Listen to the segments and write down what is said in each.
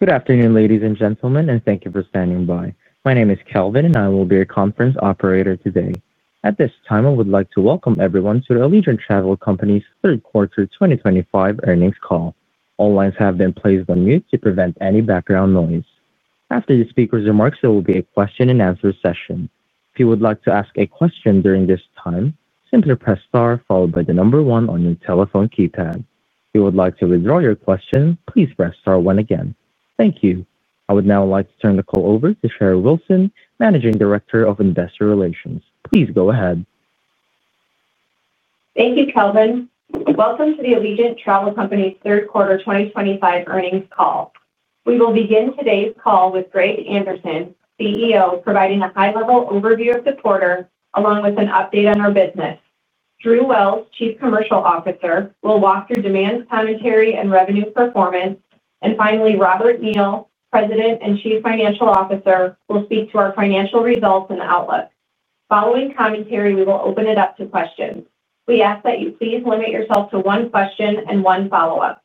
Good afternoon, ladies and gentlemen, and thank you for standing by. My name is Kelvin, and I will be your conference operator today. At this time, I would like to welcome everyone to the Allegiant Travel Company's third quarter 2025 earnings call. All lines have been placed on mute to prevent any background noise. After the speaker's remarks, there will be a question-and-answer session. If you would like to ask a question during this time, simply press star followed by the number one on your telephone keypad. If you would like to withdraw your question, please press star one again. Thank you. I would now like to turn the call over to Sherry Wilson, Managing Director of Investor Relations. Please go ahead. Thank you, Kelvin. Welcome to the Allegiant Travel Company's third quarter 2025 earnings call. We will begin today's call with Greg Anderson, CEO, providing a high-level overview of the quarter along with an update on our business. Drew Wells, Chief Commercial Officer, will walk through demand commentary and revenue performance. And finally, Robert Neal, President and Chief Financial Officer, will speak to our financial results and outlook. Following commentary, we will open it up to questions. We ask that you please limit yourself to one question and one follow-up.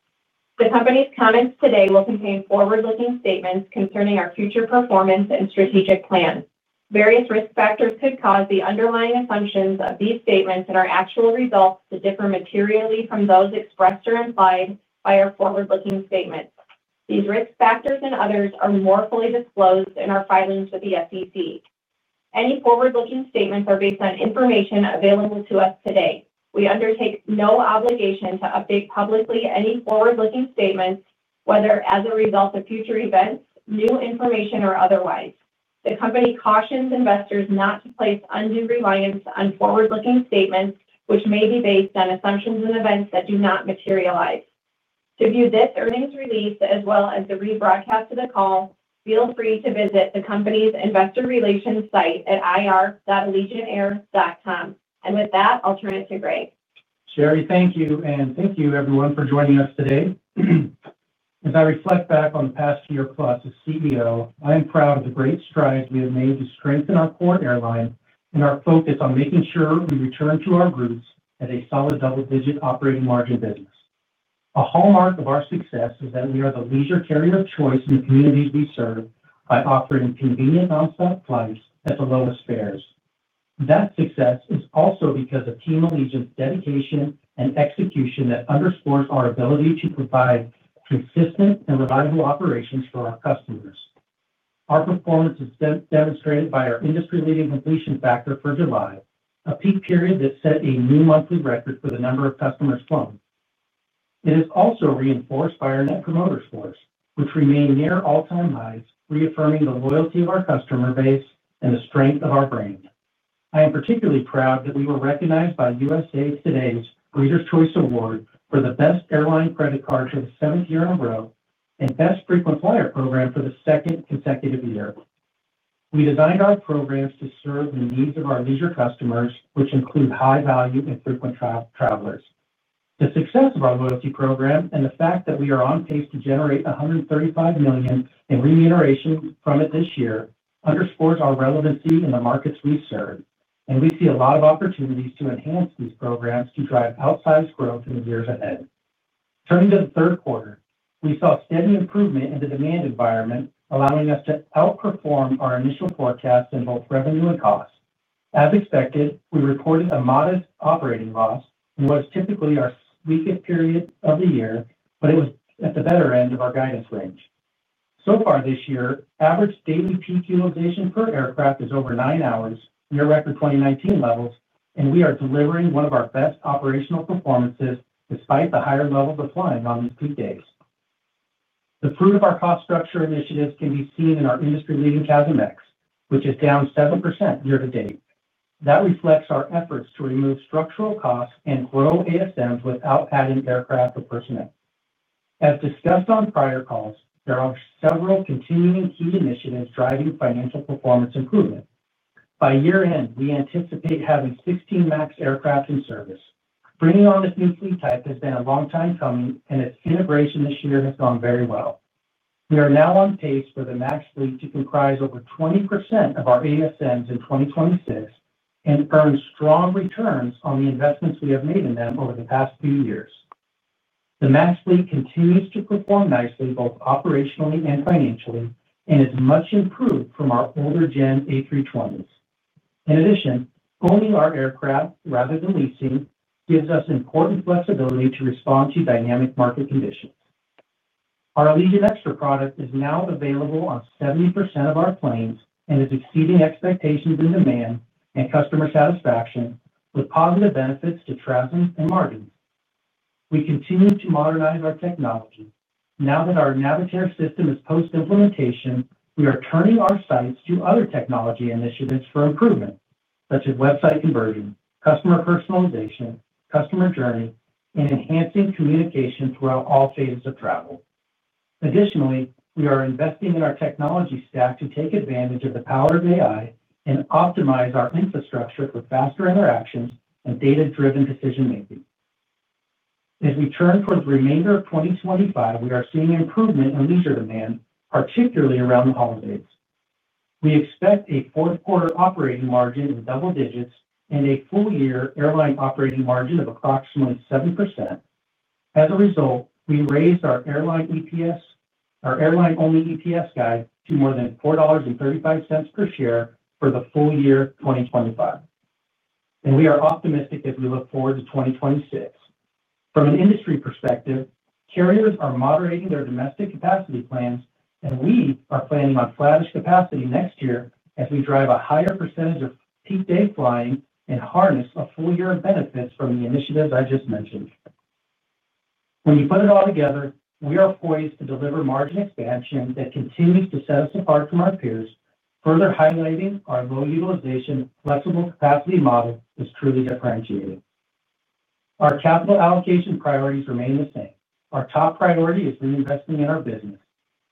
The company's comments today will contain forward-looking statements concerning our future performance and strategic plan. Various risk factors could cause the underlying assumptions of these statements and our actual results to differ materially from those expressed or implied by our forward-looking statements. These risk factors and others are more fully disclosed in our filings with the SEC. Any forward-looking statements are based on information available to us today. We undertake no obligation to update publicly any forward-looking statements, whether as a result of future events, new information, or otherwise. The company cautions investors not to place undue reliance on forward-looking statements, which may be based on assumptions and events that do not materialize. To view this earnings release as well as the rebroadcast of the call, feel free to visit the company's investor relations site at ir@allegiantair.com. And with that, I'll turn it to Greg. Sherry, thank you and thank you, everyone, for joining us today. As I reflect back on the past year plus as CEO, I am proud of the great strides we have made to strengthen our core airline and our focus on making sure we return to our roots as a solid double-digit operating margin business. A hallmark of our success is that we are the leisure carrier of choice in the communities we serve by offering convenient nonstop flights at the lowest fares. That success is also because of Team Allegiant's dedication and execution that underscores our ability to provide consistent and reliable operations for our customers. Our performance is demonstrated by our industry-leading completion factor for July, a peak period that set a new monthly record for the number of customers flown. It is also reinforced by our net promoter scores, which remain near all-time highs, reaffirming the loyalty of our customer base and the strength of our brand. I am particularly proud that we were recognized by USA Today's Readers' Choice Award for the best airline credit card for the seventh year in a row and best frequent flyer program for the second consecutive year. We designed our programs to serve the needs of our leisure customers, which include high-value and frequent travelers. The success of our loyalty program and the fact that we are on pace to generate $135 million in remuneration from it this year underscores our relevancy in the markets we serve. And we see a lot of opportunities to enhance these programs to drive outsized growth in the years ahead. Turning to the third quarter, we saw steady improvement in the demand environment, allowing us to outperform our initial forecasts in both revenue and cost. As expected, we reported a modest operating loss in what is typically our weakest period of the year, but it was at the better end of our guidance range. So far this year, average daily peak utilization per aircraft is over nine hours, near record 2019 levels, and we are delivering one of our best operational performances despite the higher levels of flying on these peak days. The fruit of our cost structure initiatives can be seen in our industry-leading CASM ex-fuel, which is down 7% year to date. That reflects our efforts to remove structural costs and grow ASMs without adding aircraft or personnel. As discussed on prior calls, there are several continuing key initiatives driving financial performance improvement. By year-end, we anticipate having 16 MAX aircraft in service. Bringing on this new fleet type has been a long time coming, and its integration this year has gone very well. We are now on pace for the MAX fleet to comprise over 20% of our ASMs in 2026 and earn strong returns on the investments we have made in them over the past few years. The MAX fleet continues to perform nicely both operationally and financially and is much improved from our older-gen A320s. In addition, owning our aircraft rather than leasing gives us important flexibility to respond to dynamic market conditions. Our Allegiant Extra product is now available on 70% of our planes and is exceeding expectations in demand and customer satisfaction, with positive benefits to travel and margins. We continue to modernize our technology. Now that our Navitaire system is post-implementation, we are turning our sights to other technology initiatives for improvement, such as website conversion, customer personalization, customer journey, and enhancing communication throughout all phases of travel. Additionally, we are investing in our technology stack to take advantage of the power of AI and optimize our infrastructure for faster interactions and data-driven decision-making. As we turn towards the remainder of 2025, we are seeing improvement in leisure demand, particularly around the holidays. We expect a fourth-quarter operating margin in double digits and a full-year airline operating margin of approximately 7%. As a result, we raised our airline EPS, our airline-only EPS guide, to more than $4.35 per share for the full year 2025. And we are optimistic as we look forward to 2026. From an industry perspective, carriers are moderating their domestic capacity plans, and we are planning on flattish capacity next year as we drive a higher percentage of peak day flying and harness a full year of benefits from the initiatives I just mentioned. When you put it all together, we are poised to deliver margin expansion that continues to set us apart from our peers, further highlighting our low-utilization, flexible capacity model is truly differentiated. Our capital allocation priorities remain the same. Our top priority is reinvesting in our business.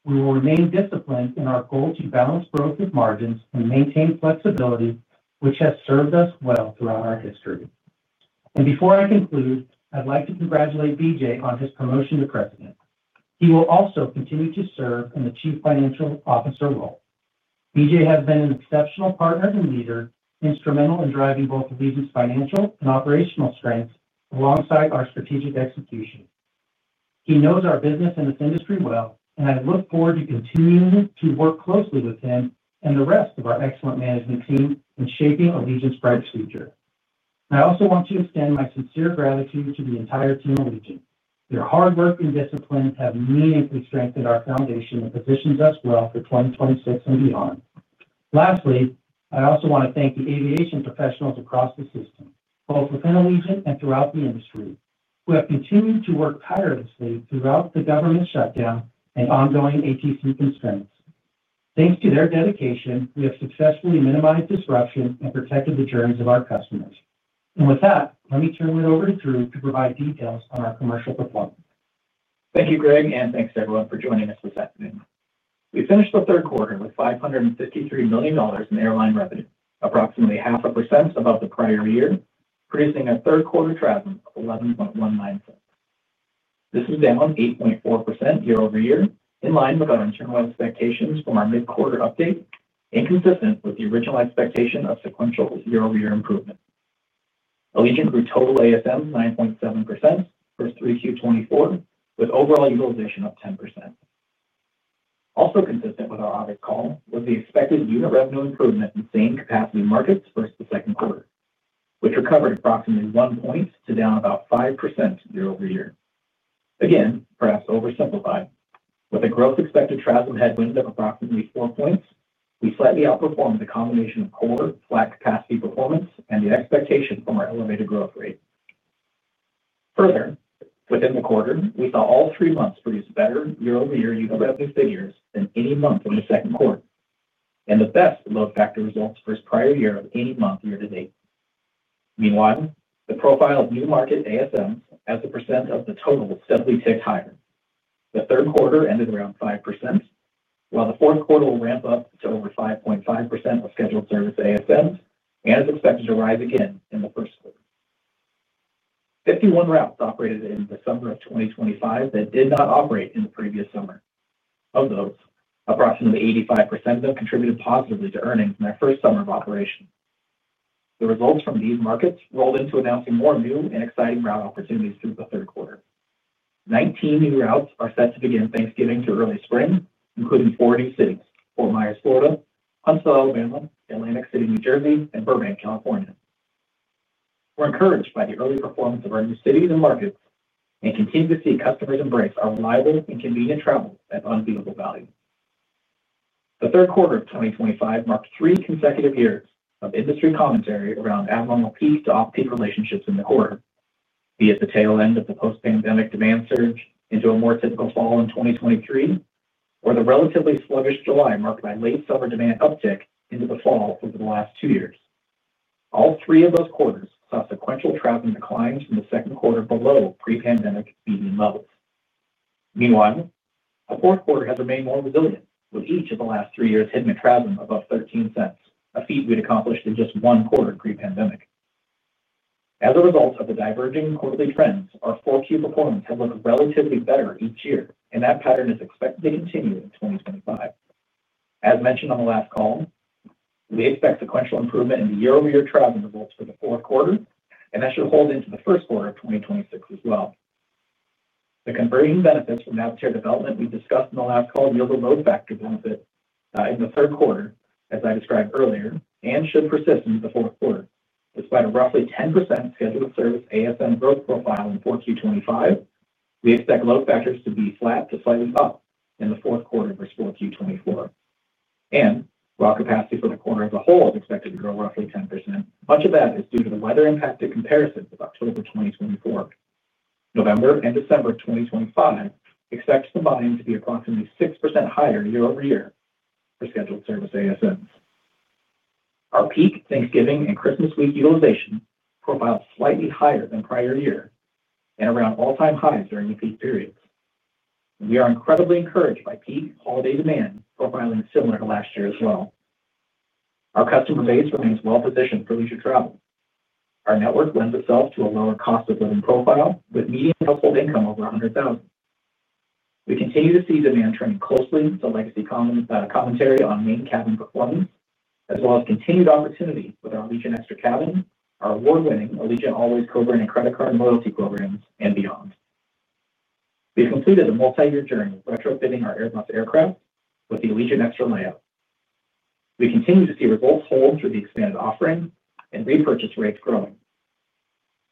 We will remain disciplined in our goal to balance growth with margins and maintain flexibility, which has served us well throughout our history. And before I conclude, I'd like to congratulate BJ on his promotion to President. He will also continue to serve in the Chief Financial Officer role. BJ has been an exceptional partner and leader, instrumental in driving both of these financial and operational strengths alongside our strategic execution. He knows our business and this industry well, and I look forward to continuing to work closely with him and the rest of our excellent management team in shaping Allegiant's bright future. I also want to extend my sincere gratitude to the entire Team Allegiant. Their hard work and discipline have meaningfully strengthened our foundation and positions us well for 2026 and beyond. Lastly, I also want to thank the aviation professionals across the system, both within Allegiant and throughout the industry, who have continued to work tirelessly throughout the government shutdown and ongoing ATC constraints. Thanks to their dedication, we have successfully minimized disruption and protected the journeys of our customers. And with that, let me turn it over to Drew to provide details on our commercial performance. Thank you, Greg, and thanks to everyone for joining us this afternoon. We finished the third quarter with $553 million in airline revenue, approximately 0.5% above the prior year, producing a third-quarter travel of 11.19 cents. This is down 8.4% year-over-year, in line with our internal expectations from our mid-quarter update, and consistent with the original expectation of sequential year-over-year improvement. Allegiant grew total ASM 9.7% for 3Q24, with overall utilization up 10%. Also consistent with our August call was the expected unit revenue improvement in same-capacity markets versus the second quarter, which recovered approximately one point to down about 5% year-over-year. Again, perhaps oversimplified, with a gross expected travel headwind of approximately four points, we slightly outperformed the combination of prior flat-capacity performance and the expectation from our elevated growth rate. Further, within the quarter, we saw all three months produce better year-over-year unit revenue figures than any month in the second quarter, and the best load factor results for its prior year of any month year to date. Meanwhile, the profile of new market ASMs as a percent of the total steadily ticked higher. The third quarter ended around 5%, while the fourth quarter will ramp up to over 5.5% of scheduled service ASMs and is expected to rise again in the first quarter. Fifty-one routes operated in the summer of 2025 that did not operate in the previous summer. Of those, approximately 85% of them contributed positively to earnings in our first summer of operation. The results from these markets rolled into announcing more new and exciting route opportunities through the third quarter. Nineteen new routes are set to begin Thanksgiving to early spring, including four new cities: Fort Myers, Florida; Huntsville, Alabama; Atlantic City, New Jersey; and Burbank, California. We're encouraged by the early performance of our new cities and markets and continue to see customers embrace our reliable and convenient travel at unbeatable value. The third quarter of 2025 marked three consecutive years of industry commentary around abnormal peak-to-off-peak relationships in the quarter, be it the tail end of the post-pandemic demand surge into a more typical fall in 2023, or the relatively sluggish July marked by late-summer demand uptick into the fall over the last two years. All three of those quarters saw sequential travel declines in the second quarter below pre-pandemic median levels. Meanwhile, the fourth quarter has remained more resilient, with each of the last three years hitting a travel above 13 cents, a feat we'd accomplished in just one quarter pre-pandemic. As a result of the diverging quarterly trends, our 4Q performance has looked relatively better each year, and that pattern is expected to continue in 2025. As mentioned on the last call, we expect sequential improvement in the year-over-year travel results for the fourth quarter, and that should hold into the first quarter of 2026 as well. The conversion benefits from Navitaire development we discussed in the last call yield a load-factor benefit in the third quarter, as I described earlier, and should persist into the fourth quarter. Despite a roughly 10% scheduled service ASM growth profile in 4Q25, we expect load factors to be flat to slightly up in the fourth quarter versus 4Q24, and raw capacity for the quarter as a whole is expected to grow roughly 10%. Much of that is due to the weather-impacted comparison with October 2024. November and December 2025 expect the volume to be approximately 6% higher year-over-year for scheduled service ASMs. Our peak, Thanksgiving, and Christmas week utilization profiled slightly higher than prior year and around all-time highs during the peak periods. We are incredibly encouraged by peak holiday demand profiling similar to last year as well. Our customer base remains well-positioned for leisure travel. Our network lends itself to a lower cost-of-living profile with median household income over $100,000. We continue to see demand trending closely to legacy commentary on main cabin performance, as well as continued opportunity with our Allegiant Extra Cabin, our award-winning Allegiant Allways Rewards and Credit Card and Loyalty Programs, and beyond. We've completed a multi-year journey retrofitting our Airbus aircraft with the Allegiant Extra layout. We continue to see results hold through the expanded offering and repurchase rates growing.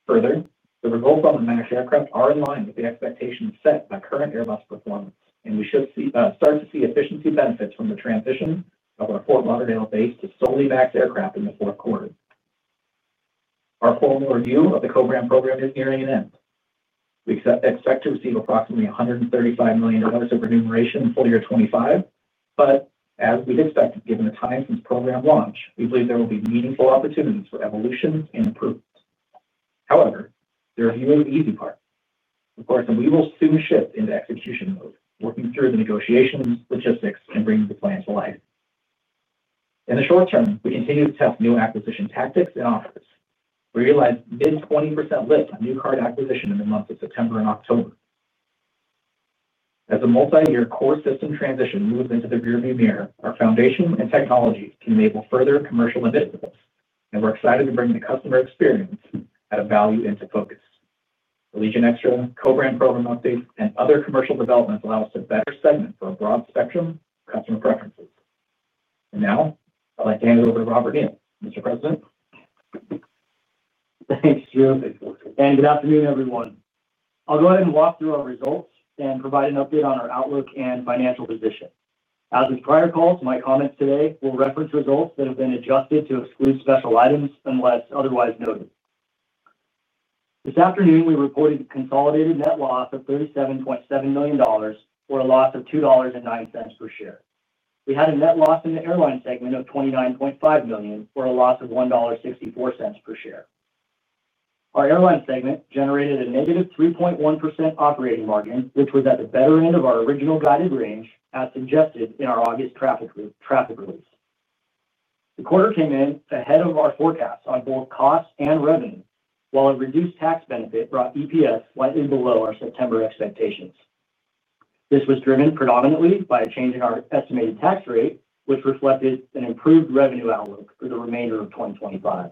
Further, the results on the MAX aircraft are in line with the expectations set by current Airbus performance, and we should start to see efficiency benefits from the transition of our Fort Lauderdale base to solely MAX aircraft in the fourth quarter. Our formal review of the Rewards program is nearing an end. We expect to receive approximately $135 million of remuneration in full year 2025, but as we'd expected, given the time since program launch, we believe there will be meaningful opportunities for evolutions and improvements. However, there are a few easy parts. Of course, we will soon shift into execution mode, working through the negotiations, logistics, and bringing the plan to life. In the short term, we continue to test new acquisition tactics and offers. We realized mid-20% lift on new card acquisition in the months of September and October. As the multi-year core system transition moves into the rearview mirror, our foundation and technology can enable further commercial initiatives, and we're excited to bring the customer experience at a value into focus. Allegiant Extra, Rewards program updates, and other commercial developments allow us to better segment for a broad spectrum of customer preferences, and now, I'd like to hand it over to Robert Neal, Mr. President. Thanks, Drew. And good afternoon, everyone. I'll go ahead and walk through our results and provide an update on our outlook and financial position. As with prior calls, my comments today will reference results that have been adjusted to exclude special items unless otherwise noted. This afternoon, we reported a consolidated net loss of $37.7 million for a loss of $2.09 per share. We had a net loss in the airline segment of $29.5 million for a loss of $1.64 per share. Our airline segment generated a negative 3.1% operating margin, which was at the better end of our original guided range, as suggested in our August traffic release. The quarter came in ahead of our forecasts on both costs and revenue, while a reduced tax benefit brought EPS slightly below our September expectations. This was driven predominantly by a change in our estimated tax rate, which reflected an improved revenue outlook for the remainder of 2025.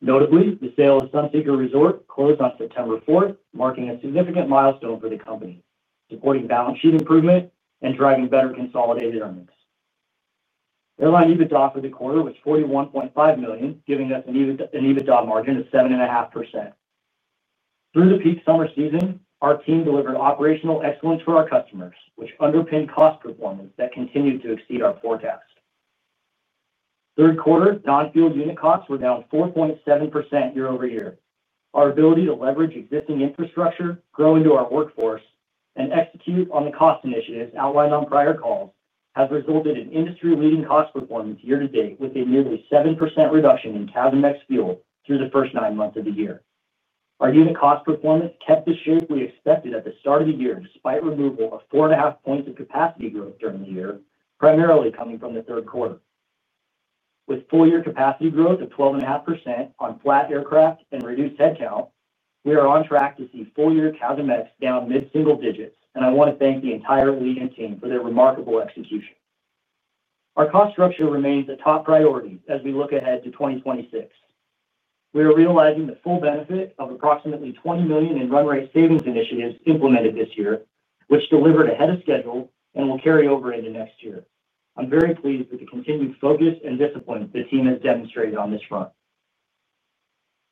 Notably, the sale of Sunseeker Resort closed on September 4th, marking a significant milestone for the company, supporting balance sheet improvement and driving better consolidated earnings. Airline EBITDA for the quarter was $41.5 million, giving us an EBITDA margin of 7.5%. Through the peak summer season, our team delivered operational excellence for our customers, which underpinned cost performance that continued to exceed our forecast. Third quarter, non-fueled unit costs were down 4.7% year-over-year. Our ability to leverage existing infrastructure, grow into our workforce, and execute on the cost initiatives outlined on prior calls has resulted in industry-leading cost performance year to date, with a nearly 7% reduction in CASM ex-fuel through the first nine months of the year. Our unit cost performance kept the shape we expected at the start of the year, despite removal of four and a half points of capacity growth during the year, primarily coming from the third quarter. With full-year capacity growth of 12.5% on flat aircraft and reduced headcount, we are on track to see full-year CASM down mid-single digits, and I want to thank the entire Allegiant team for their remarkable execution. Our cost structure remains the top priority as we look ahead to 2026. We are realizing the full benefit of approximately $20 million in run rate savings initiatives implemented this year, which delivered ahead of schedule and will carry over into next year. I'm very pleased with the continued focus and discipline the team has demonstrated on this front.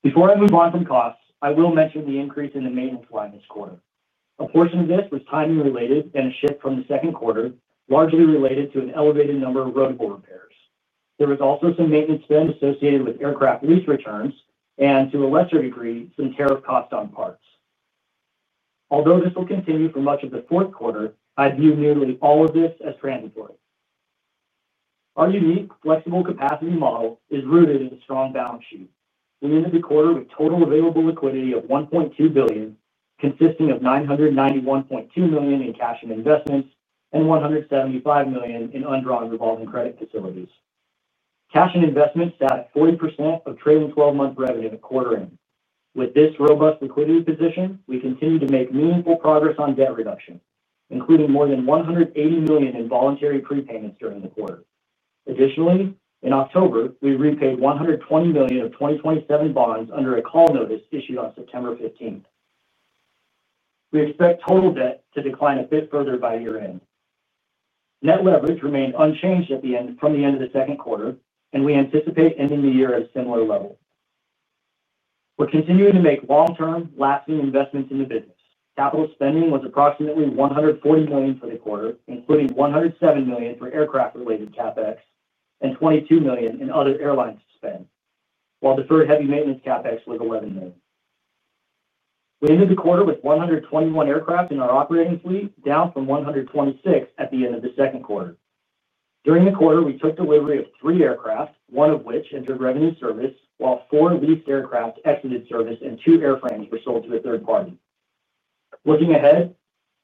Before I move on from costs, I will mention the increase in the maintenance line this quarter. A portion of this was timing-related and a shift from the second quarter, largely related to an elevated number of rotable repairs. There was also some maintenance spend associated with aircraft lease returns and, to a lesser degree, some tariff costs on parts. Although this will continue for much of the fourth quarter, I view nearly all of this as transitory. Our unique flexible capacity model is rooted in a strong balance sheet. We ended the quarter with total available liquidity of $1.2 billion, consisting of $991.2 million in cash and investments and $175 million in undrawn revolving credit facilities. Cash and investments sat at 40% of trailing 12-month revenue in the quarter-end. With this robust liquidity position, we continue to make meaningful progress on debt reduction, including more than $180 million in voluntary prepayments during the quarter. Additionally, in October, we repaid $120 million of 2027 bonds under a call notice issued on September 15th. We expect total debt to decline a bit further by year-end. Net leverage remained unchanged from the end of the second quarter, and we anticipate ending the year at a similar level. We're continuing to make long-term, lasting investments in the business. Capital spending was approximately $140 million for the quarter, including $107 million for aircraft-related CapEx and $22 million in other airline spend, while deferred heavy maintenance CapEx was $11 million. We ended the quarter with 121 aircraft in our operating fleet, down from 126 at the end of the second quarter. During the quarter, we took delivery of three aircraft, one of which entered revenue service, while four leased aircraft exited service and two airframes were sold to a third party. Looking ahead,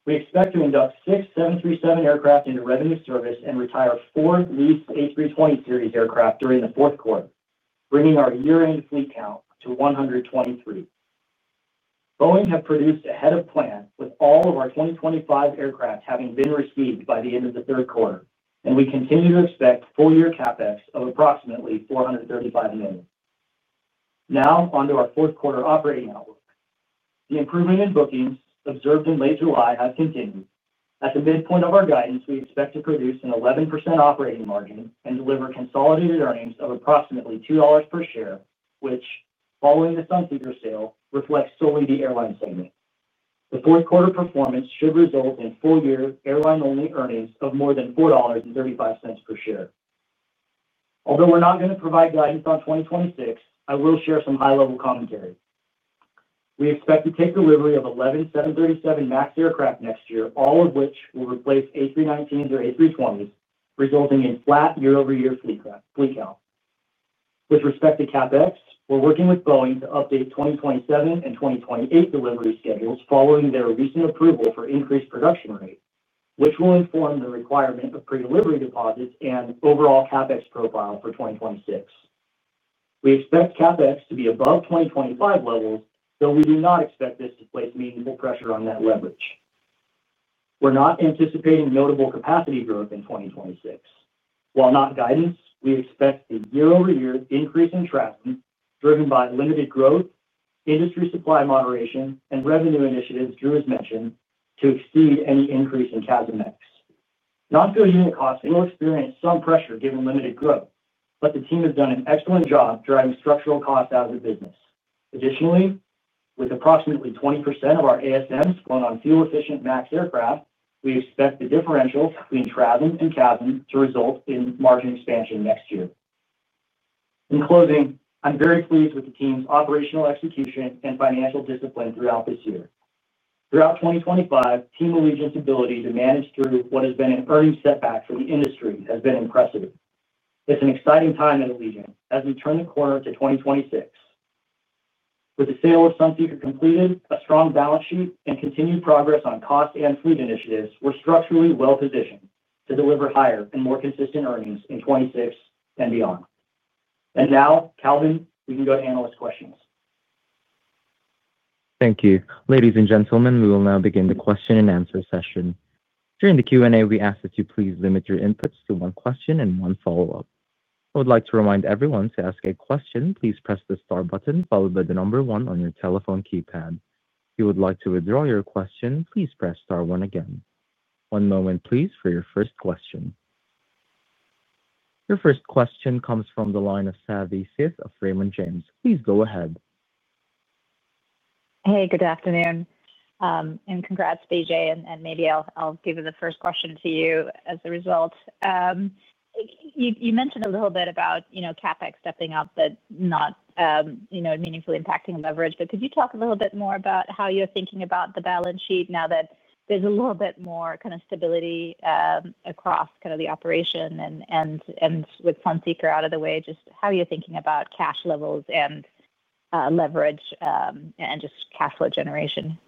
we expect to induct six 737 aircraft into revenue service and retire four leased A320 series aircraft during the fourth quarter, bringing our year-end fleet count to 123. Boeing has produced ahead of plan, with all of our 2025 aircraft having been received by the end of the third quarter, and we continue to expect full-year CapEx of approximately $435 million. Now, onto our fourth quarter operating outlook. The improvement in bookings observed in late July has continued. At the midpoint of our guidance, we expect to produce an 11% operating margin and deliver consolidated earnings of approximately $2 per share, which, following the Sunseeker sale, reflects solely the airline segment. The fourth quarter performance should result in full-year airline-only earnings of more than $4.35 per share. Although we're not going to provide guidance on 2026, I will share some high-level commentary. We expect to take delivery of 11 737 MAX aircraft next year, all of which will replace A319s or A320s, resulting in flat year-over-year fleet count. With respect to CapEx, we're working with Boeing to update 2027 and 2028 delivery schedules following their recent approval for increased production rate, which will inform the requirement of pre-delivery deposits and overall CapEx profile for 2026. We expect CapEx to be above 2025 levels, though we do not expect this to place meaningful pressure on net leverage. We're not anticipating notable capacity growth in 2026. While not guidance, we expect a year-over-year increase in travel driven by limited growth, industry supply moderation, and revenue initiatives, Drew has mentioned, to exceed any increase in CASM. Non-fueled unit costs will experience some pressure given limited growth, but the team has done an excellent job driving structural costs out of the business. Additionally, with approximately 20% of our ASMs going on fuel-efficient MAX aircraft, we expect the differential between TRASM and CASM to result in margin expansion next year. In closing, I'm very pleased with the team's operational execution and financial discipline throughout this year. Throughout 2025, Team Allegiant's ability to manage through what has been an earnings setback for the industry has been impressive. It's an exciting time at Allegiant as we turn the corner to 2026. With the sale of Sunseeker completed, a strong balance sheet, and continued progress on cost and fleet initiatives, we're structurally well-positioned to deliver higher and more consistent earnings in 2026 and beyond. And now, Kelvin, we can go to analyst questions. Thank you. Ladies and gentlemen, we will now begin the question-and-answer session. During the Q&A, we ask that you please limit your inputs to one question and one follow-up. I would like to remind everyone to ask a question, please press the star button followed by the number one on your telephone keypad. If you would like to withdraw your question, please press star one again. One moment, please, for your first question. Your first question comes from the line of Savanthi Syth of Raymond James. Please go ahead. Hey, good afternoon. And congrats, BJ, and maybe I'll give you the first question to you as a result. You mentioned a little bit about CapEx stepping up, but not meaningfully impacting leverage. But could you talk a little bit more about how you're thinking about the balance sheet now that there's a little bit more kind of stability across kind of the operation and with Sunseeker out of the way? Just how are you thinking about cash levels and leverage and just cash flow generation?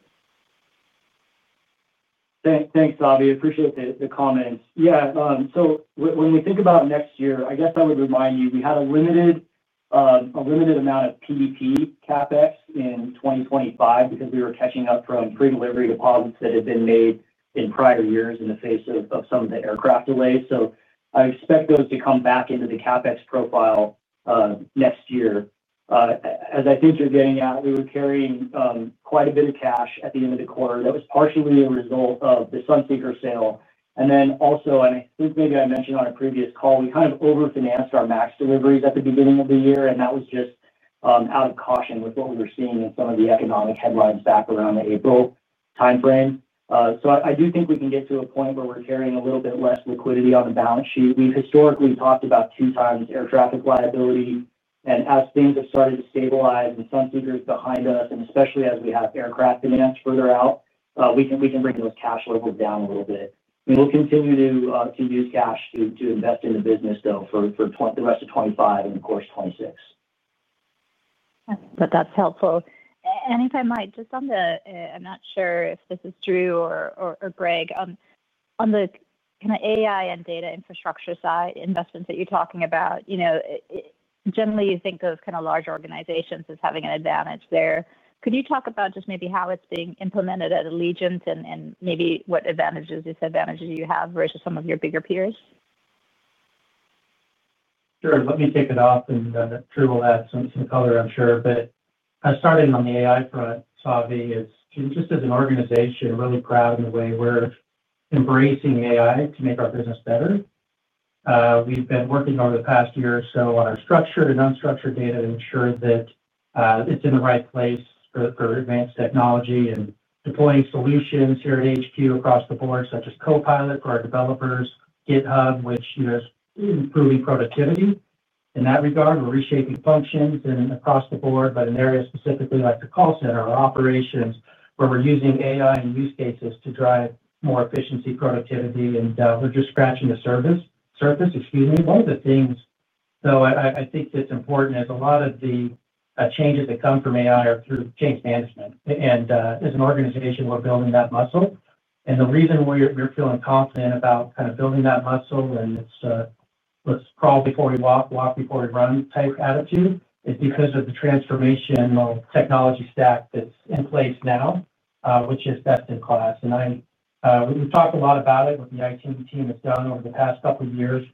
Thanks, Savvy. Appreciate the comments. Yeah, so when we think about next year, I guess I would remind you we had a limited amount of PDP CapEx in 2025 because we were catching up from pre-delivery deposits that had been made in prior years in the face of some of the aircraft delays. So I expect those to come back into the CapEx profile next year. As I think you're getting at, we were carrying quite a bit of cash at the end of the quarter. That was partially a result of the Sunseeker sale. And then also, and I think maybe I mentioned on a previous call, we kind of over-financed our MAX deliveries at the beginning of the year, and that was just out of caution with what we were seeing in some of the economic headlines back around the April timeframe. So I do think we can get to a point where we're carrying a little bit less liquidity on the balance sheet. We've historically talked about two-times air traffic liability, and as things have started to stabilize and Sunseeker is behind us, and especially as we have aircraft finance further out, we can bring those cash levels down a little bit. We will continue to use cash to invest in the business, though, for the rest of 2025 and, of course, 2026. But that's helpful. And if I might, just on the, I'm not sure if this is Drew or Greg, on the kind of AI and data infrastructure side investments that you're talking about. Generally, you think of kind of large organizations as having an advantage there. Could you talk about just maybe how it's being implemented at Allegiant and maybe what advantages and disadvantages you have versus some of your bigger peers? Sure. Let me take it off, and Drew will add some color, I'm sure, but starting on the AI front, Allegiant is, just as an organization, really proud in the way we're embracing AI to make our business better. We've been working over the past year or so on our structured and unstructured data to ensure that it's in the right place for advanced technology and deploying solutions here at HQ across the board, such as Copilot for our developers, GitHub, which is improving productivity in that regard. We're reshaping functions across the board, but in areas specifically like the call center or operations where we're using AI and use cases to drive more efficiency, productivity, and we're just scratching the surface. One of the things, though, I think that's important is a lot of the changes that come from AI are through change management, and as an organization, we're building that muscle, and the reason we're feeling confident about kind of building that muscle and it's a crawl before you walk, walk before you run type attitude is because of the transformational technology stack that's in place now, which is best in class, and we've talked a lot about it with the IT team that's done over the past couple of years.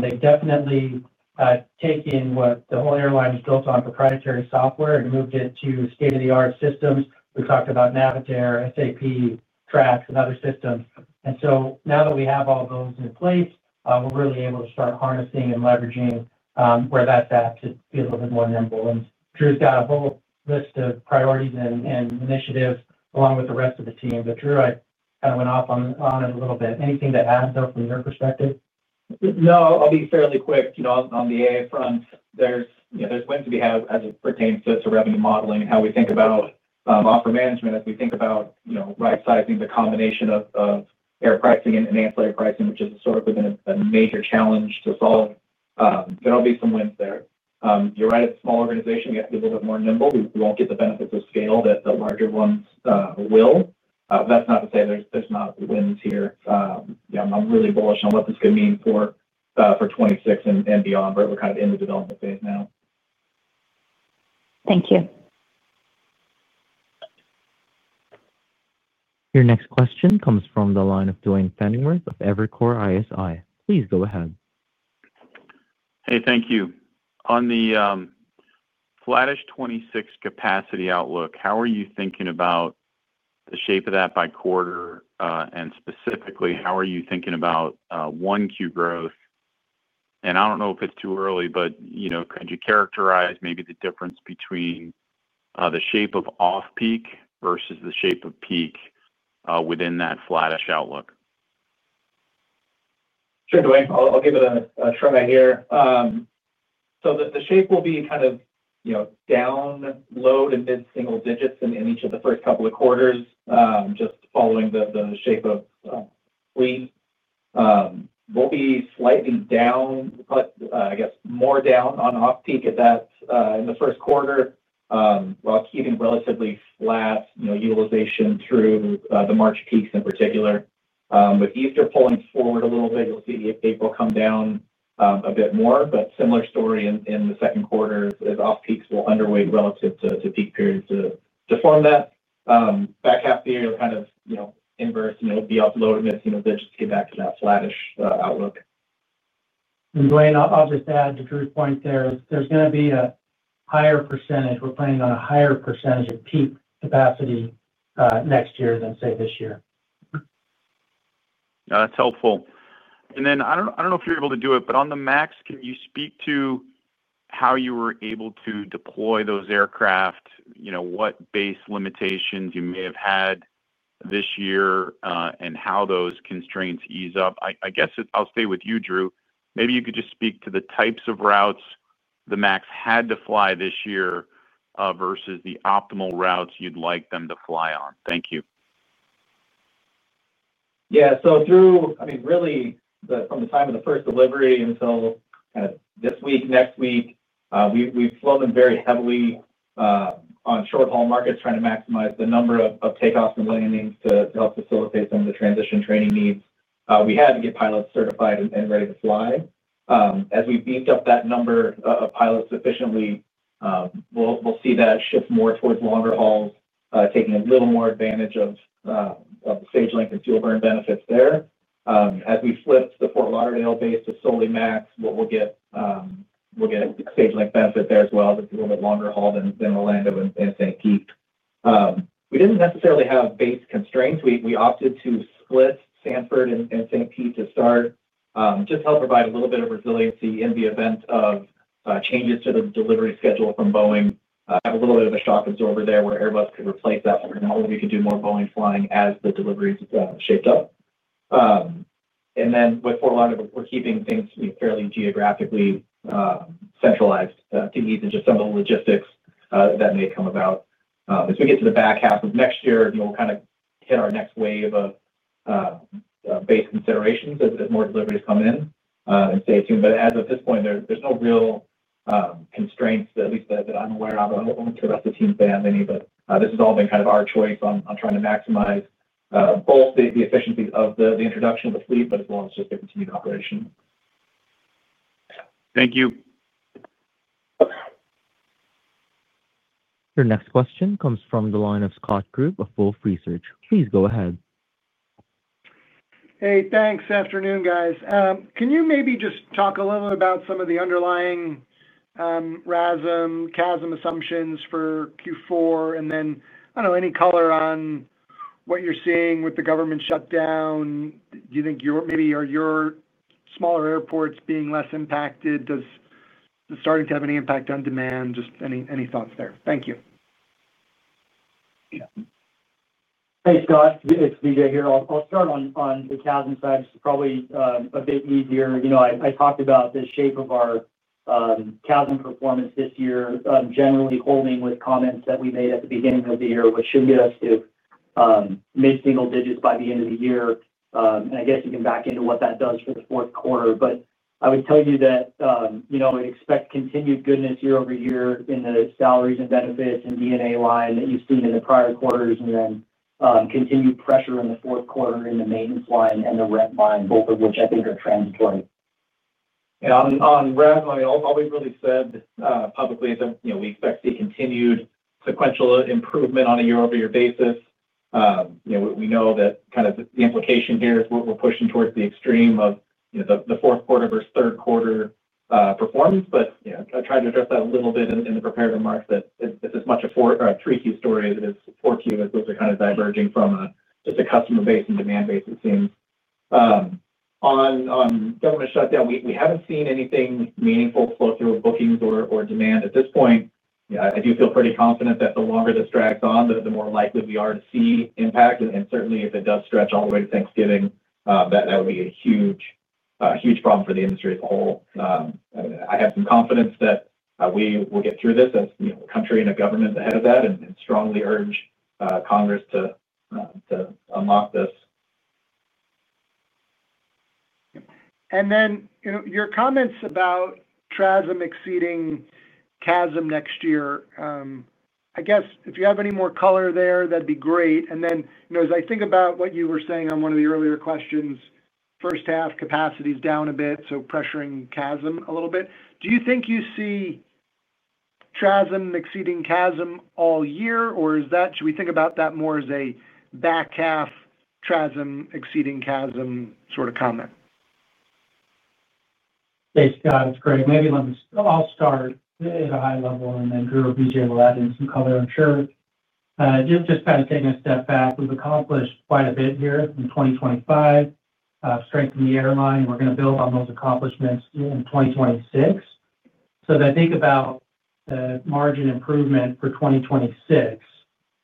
They've definitely taken what the whole airline was built on proprietary software and moved it to state-of-the-art systems. We talked about Navitaire, SAP, Trax, and other systems, and so now that we have all those in place, we're really able to start harnessing and leveraging where that's at to be a little bit more nimble. And Drew's got a whole list of priorities and initiatives along with the rest of the team, but Drew, I kind of went off on it a little bit. Anything to add, though, from your perspective? No, I'll be fairly quick. On the AI front, there's wins to be had as it pertains to revenue modeling and how we think about offer management as we think about right-sizing the combination of air pricing and ancillary pricing, which has historically been a major challenge to solve. There'll be some wins there. You're right at the small organization. We have to be a little bit more nimble. We won't get the benefits of scale that the larger ones will. That's not to say there's not wins here. I'm really bullish on what this could mean for 2026 and beyond, but we're kind of in the development phase now. Thank you. Your next question comes from the line of Duane Pfennigwerth of Evercore ISI. Please go ahead. Hey, thank you. On the flattish 2026 capacity outlook, how are you thinking about the shape of that by quarter? And specifically, how are you thinking about Q1 growth? And I don't know if it's too early, but could you characterize maybe the difference between the shape of off-peak versus the shape of peak within that flattish outlook? Sure, Duane. I'll give it a try here. So the shape will be kind of down, low- to mid-single digits in each of the first couple of quarters, just following the shape of fleet. We'll be slightly down. I guess, more down on off-peak in the first quarter while keeping relatively flat utilization through the March peaks in particular. With Easter pulling forward a little bit, you'll see April come down a bit more. But similar story in the second quarter as off-peaks will underweight relative to peak periods to form that back half the year. You'll kind of inverse, and you'll be off lower to mid-single digits to get back to that flattish outlook. Duane, I'll just add to Drew's point there. There's going to be a higher percentage. We're planning on a higher percentage of peak capacity next year than, say, this year. That's helpful. And then I don't know if you're able to do it, but on the MAX, can you speak to how you were able to deploy those aircraft, what base limitations you may have had this year, and how those constraints ease up? I guess I'll stay with you, Drew. Maybe you could just speak to the types of routes the MAX had to fly this year. Versus the optimal routes you'd like them to fly on. Thank you. Yeah. So Drew, I mean, really, from the time of the first delivery until kind of this week, next week, we've slowed them very heavily. On short-haul markets, trying to maximize the number of takeoffs and landings to help facilitate some of the transition training needs. We had to get pilots certified and ready to fly. As we've beefed up that number of pilots sufficiently, we'll see that shift more towards longer hauls, taking a little more advantage of the stage length and fuel burn benefits there. As we flip the Fort Lauderdale base to solely MAX, we'll get a stage length benefit there as well. It's a little bit longer haul than Orlando and St. Pete. We didn't necessarily have base constraints. We opted to split Sanford and St. Pete to start, just to help provide a little bit of resiliency in the event of changes to the delivery schedule from Boeing. Have a little bit of a shock absorber there where Airbus could replace that, and we could do more Boeing flying as the deliveries shaped up. And then with Fort Lauderdale, we're keeping things fairly geographically centralized to ease in just some of the logistics that may come about. As we get to the back half of next year, we'll kind of hit our next wave of base considerations as more deliveries come in and stay tuned. But as of this point, there's no real constraints, at least that I'm aware of, to the rest of the team's plan, anyway. But this has all been kind of our choice on trying to maximize both the efficiencies of the introduction of the fleet, but as well as just the continued operation. Thank you. Your next question comes from the line of Scott Group of Wolf Research. Please go ahead. Hey, thanks. Afternoon, guys. Can you maybe just talk a little about some of the underlying RASM, CASM assumptions for Q4? And then, I don't know, any color on what you're seeing with the government shutdown? Do you think maybe your smaller airports being less impacted? Does it starting to have any impact on demand? Just any thoughts there? Thank you. Hey, Scott. It's BJ here. I'll start on the CASM side. It's probably a bit easier. I talked about the shape of our CASM performance this year, generally holding with comments that we made at the beginning of the year, which should get us to mid-single digits by the end of the year. And I guess you can back into what that does for the fourth quarter. But I would tell you that I'd expect continued goodness year over year in the salaries and benefits and D&A line that you've seen in the prior quarters, and then continued pressure in the fourth quarter in the maintenance line and the rent line, both of which I think are transitory. Yeah. On rent line, all we've really said publicly is that we expect to see continued sequential improvement on a year-over-year basis. We know that kind of the implication here is we're pushing towards the extreme of the fourth quarter versus third quarter performance. But I tried to address that a little bit in the prepared remarks that it's as much a 3Q story as it is 4Q as those are kind of diverging from just a customer base and demand base, it seems. On government shutdown, we haven't seen anything meaningful flow through bookings or demand at this point. I do feel pretty confident that the longer this drags on, the more likely we are to see impact. And certainly, if it does stretch all the way to Thanksgiving, that would be a huge problem for the industry as a whole. I have some confidence that we will get through this as a country and a government ahead of that and strongly urge Congress to unlock this. And then your comments about TRASM exceeding CASM next year, I guess if you have any more color there, that'd be great. And then as I think about what you were saying on one of the earlier questions, first half capacity is down a bit, so pressuring CASM a little bit. Do you think you see TRASM exceeding CASM all year, or should we think about that more as a back half TRASM exceeding CASM sort of comment? Thanks, Scott. It's great. Maybe I'll start at a high level, and then Drew or BJ will add in some color. I'm sure. Just kind of taking a step back, we've accomplished quite a bit here in 2025. Strengthen the airline. We're going to build on those accomplishments in 2026. So as I think about the margin improvement for 2026,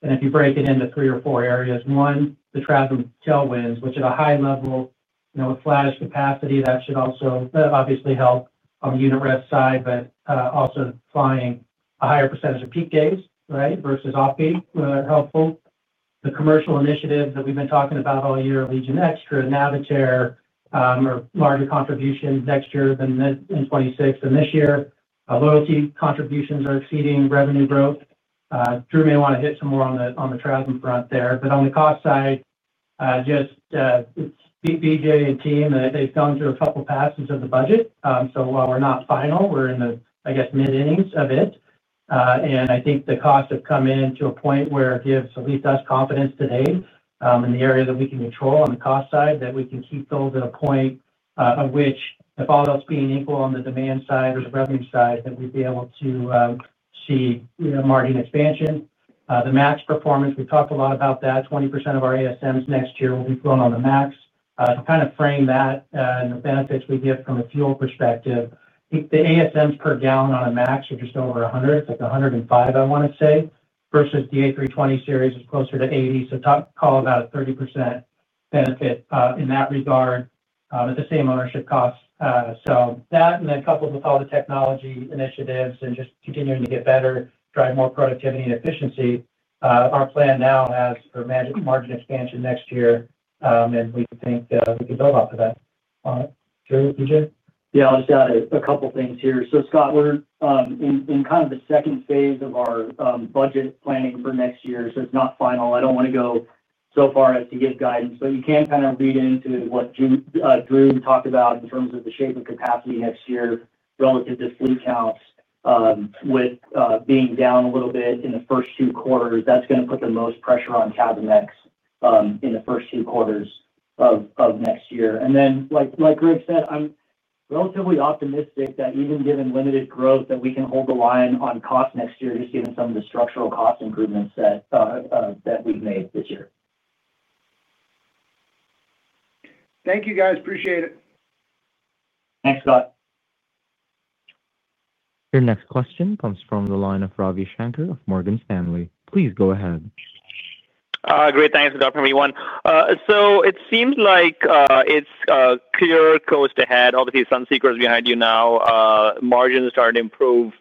and if you break it into three or four areas, one, the TRASM tailwinds, which at a high level with flattish capacity, that should also obviously help on the unit cost side, but also flying a higher percentage of peak days, right, versus off-peak are helpful. The commercial initiatives that we've been talking about all year, Allegiant Extra, Navitaire. Are larger contributions next year than in 2026. And this year, loyalty contributions are exceeding revenue growth. Drew may want to hit some more on the TRASM front there. But on the cost side, just. BJ and team, they've gone through a couple of passes of the budget. So while we're not final, we're in the, I guess, mid-index of it. And I think the cost has come into a point where it gives at least us confidence today in the area that we can control on the cost side that we can keep those at a point of which, if all else being equal on the demand side or the revenue side, that we'd be able to see margin expansion. The MAX performance, we talked a lot about that. 20% of our ASMs next year will be flown on the MAX. To kind of frame that and the benefits we get from a fuel perspective, the ASMs per gallon on a MAX are just over 100. It's like 105, I want to say, versus the A320 series is closer to 80. So call about a 30% benefit in that regard at the same ownership cost. So that, and then coupled with all the technology initiatives and just continuing to get better, drive more productivity and efficiency, our plan now has for margin expansion next year, and we think we can build off of that. Drew, BJ? Yeah, I'll just add a couple of things here. So Scott, we're in kind of the second phase of our budget planning for next year. So it's not final. I don't want to go so far as to give guidance, but you can kind of read into what Drew talked about in terms of the shape of capacity next year relative to fleet counts. With being down a little bit in the first two quarters, that's going to put the most pressure on CASM ex in the first two quarters of next year. And then, like Greg said, I'm relatively optimistic that even given limited growth, that we can hold the line on cost next year, just given some of the structural cost improvements that we've made this year. Thank you, guys. Appreciate it. Thanks, Scott. Your next question comes from the line of Ravi Shanker of Morgan Stanley. Please go ahead. Great. Thanks, Scott, from E1. So it seems like it's clear coast ahead. Obviously, some setbacks behind you now. Margins are starting to improve.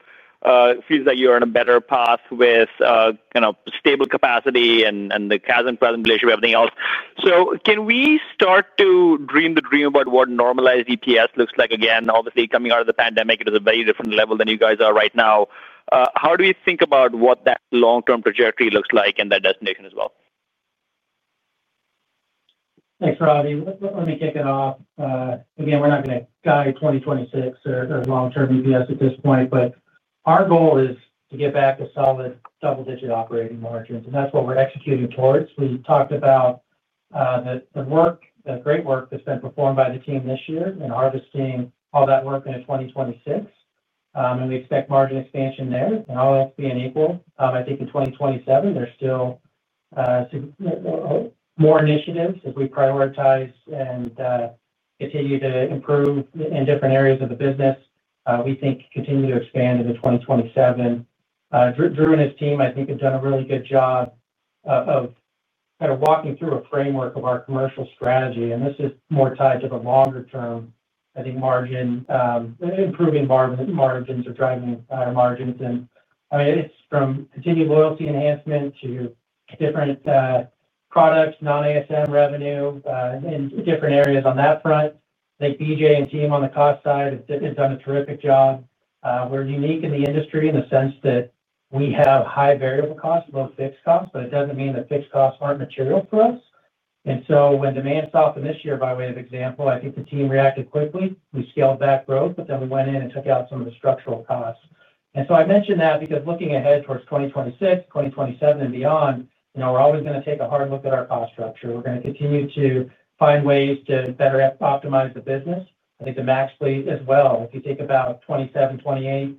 It feels like you're on a better path with kind of stable capacity and the CASM pressure relationship with everything else. So can we start to dream the dream about what normalized EBITDA looks like again? Obviously, coming out of the pandemic, it is a very different level than you guys are right now. How do we think about what that long-term trajectory looks like and that destination as well? Thanks, Ravi. Let me kick it off. Again, we're not going to guide 2026 or long-term ETS at this point, but our goal is to get back to solid double-digit operating margins. And that's what we're executing towards. We talked about the work, the great work that's been performed by the team this year and harvesting all that work into 2026. And we expect margin expansion there. And all else being equal, I think in 2027, there's still more initiatives as we prioritize and continue to improve in different areas of the business. We think continue to expand into 2027. Drew and his team, I think, have done a really good job of kind of walking through a framework of our commercial strategy. And this is more tied to the longer term. I think margin, improving margins or driving higher margins. And I mean, it's from continued loyalty enhancement to different products, non-ASM revenue, and different areas on that front. I think BJ and team on the cost side have done a terrific job. We're unique in the industry in the sense that we have high variable costs, low fixed costs, but it doesn't mean that fixed costs aren't material for us. And so when demand softened this year, by way of example, I think the team reacted quickly. We scaled back growth, but then we went in and took out some of the structural costs. And so I mentioned that because looking ahead towards 2026, 2027, and beyond, we're always going to take a hard look at our cost structure. We're going to continue to find ways to better optimize the business. I think the MAX fleet as well. If you think about 2027, 2028,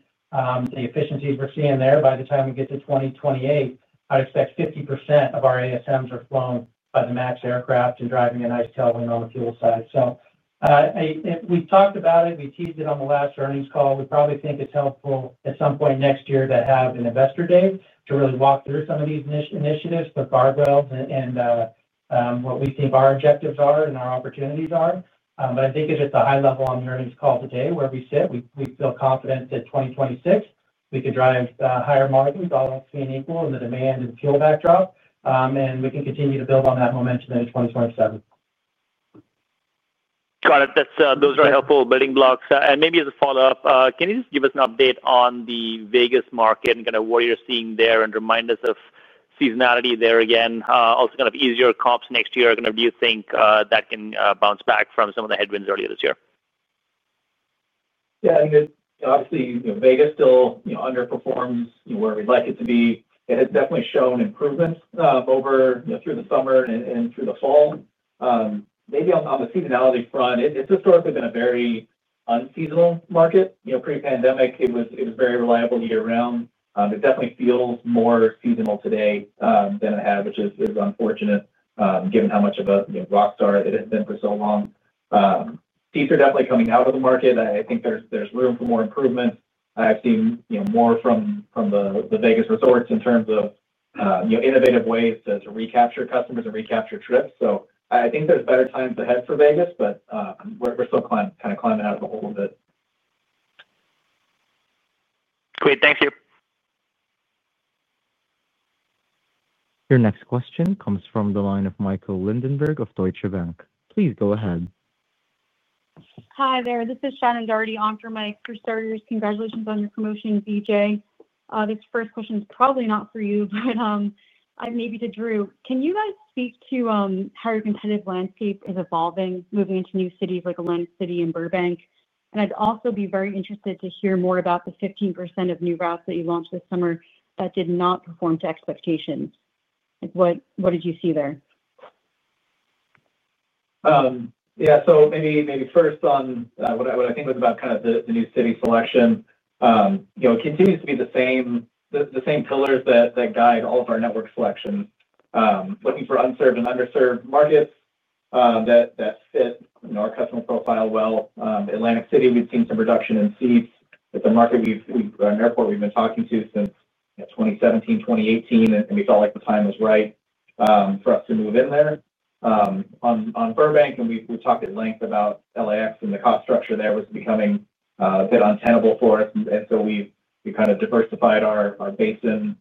the efficiencies we're seeing there, by the time we get to 2028, I'd expect 50% of our ASMs are flown by the MAX aircraft and driving a nice tailwind on the fuel side. So we've talked about it. We teased it on the last earnings call. We probably think it's helpful at some point next year to have an investor day to really walk through some of these initiatives, the guardrails, and what we think our objectives are and our opportunities are. But I think it's at the high level on the earnings call today where we sit. We feel confident that 2026, we can drive higher margins, all else being equal, and the demand and fuel backdrop. And we can continue to build on that momentum into 2027. Got it. Those are helpful building blocks, and maybe as a follow-up, can you just give us an update on the Vegas market and kind of what you're seeing there and remind us of seasonality there again? Also kind of easier comps next year. Kind of do you think that can bounce back from some of the headwinds earlier this year? Yeah. Obviously, Vegas still underperforms where we'd like it to be. It has definitely shown improvements through the summer and through the fall. Maybe on the seasonality front, it's historically been a very unseasonal market. Pre-pandemic, it was very reliable year-round. It definitely feels more seasonal today than it had, which is unfortunate given how much of a rock star it has been for so long. Seats are definitely coming out of the market. I think there's room for more improvements. I've seen more from the Vegas resorts in terms of innovative ways to recapture customers and recapture trips. So I think there's better times ahead for Vegas, but we're still kind of climbing out of the hole a bit. Great. Thank you. Your next question comes from the line of Michael Linenberg of Deutsche Bank. Please go ahead. Hi there. This is Shannon Graney on for Michael Lindenberg. Congratulations on your promotion, BJ. This first question is probably not for you, but maybe to Drew. Can you guys speak to how your competitive landscape is evolving, moving into new cities like Atlantic City and Burbank? And I'd also be very interested to hear more about the 15% of new routes that you launched this summer that did not perform to expectations. What did you see there? Yeah. So maybe first on what I think was about kind of the new city selection. It continues to be the same pillars that guide all of our network selections. Looking for unserved and underserved markets that fit our customer profile well. Atlantic City, we've seen some reduction in seats. It's an airport we've been talking to since 2017, 2018, and we felt like the time was right for us to move in there. On Burbank, and we talked at length about LAX and the cost structure there was becoming a bit untenable for us. And so we kind of diversified our basin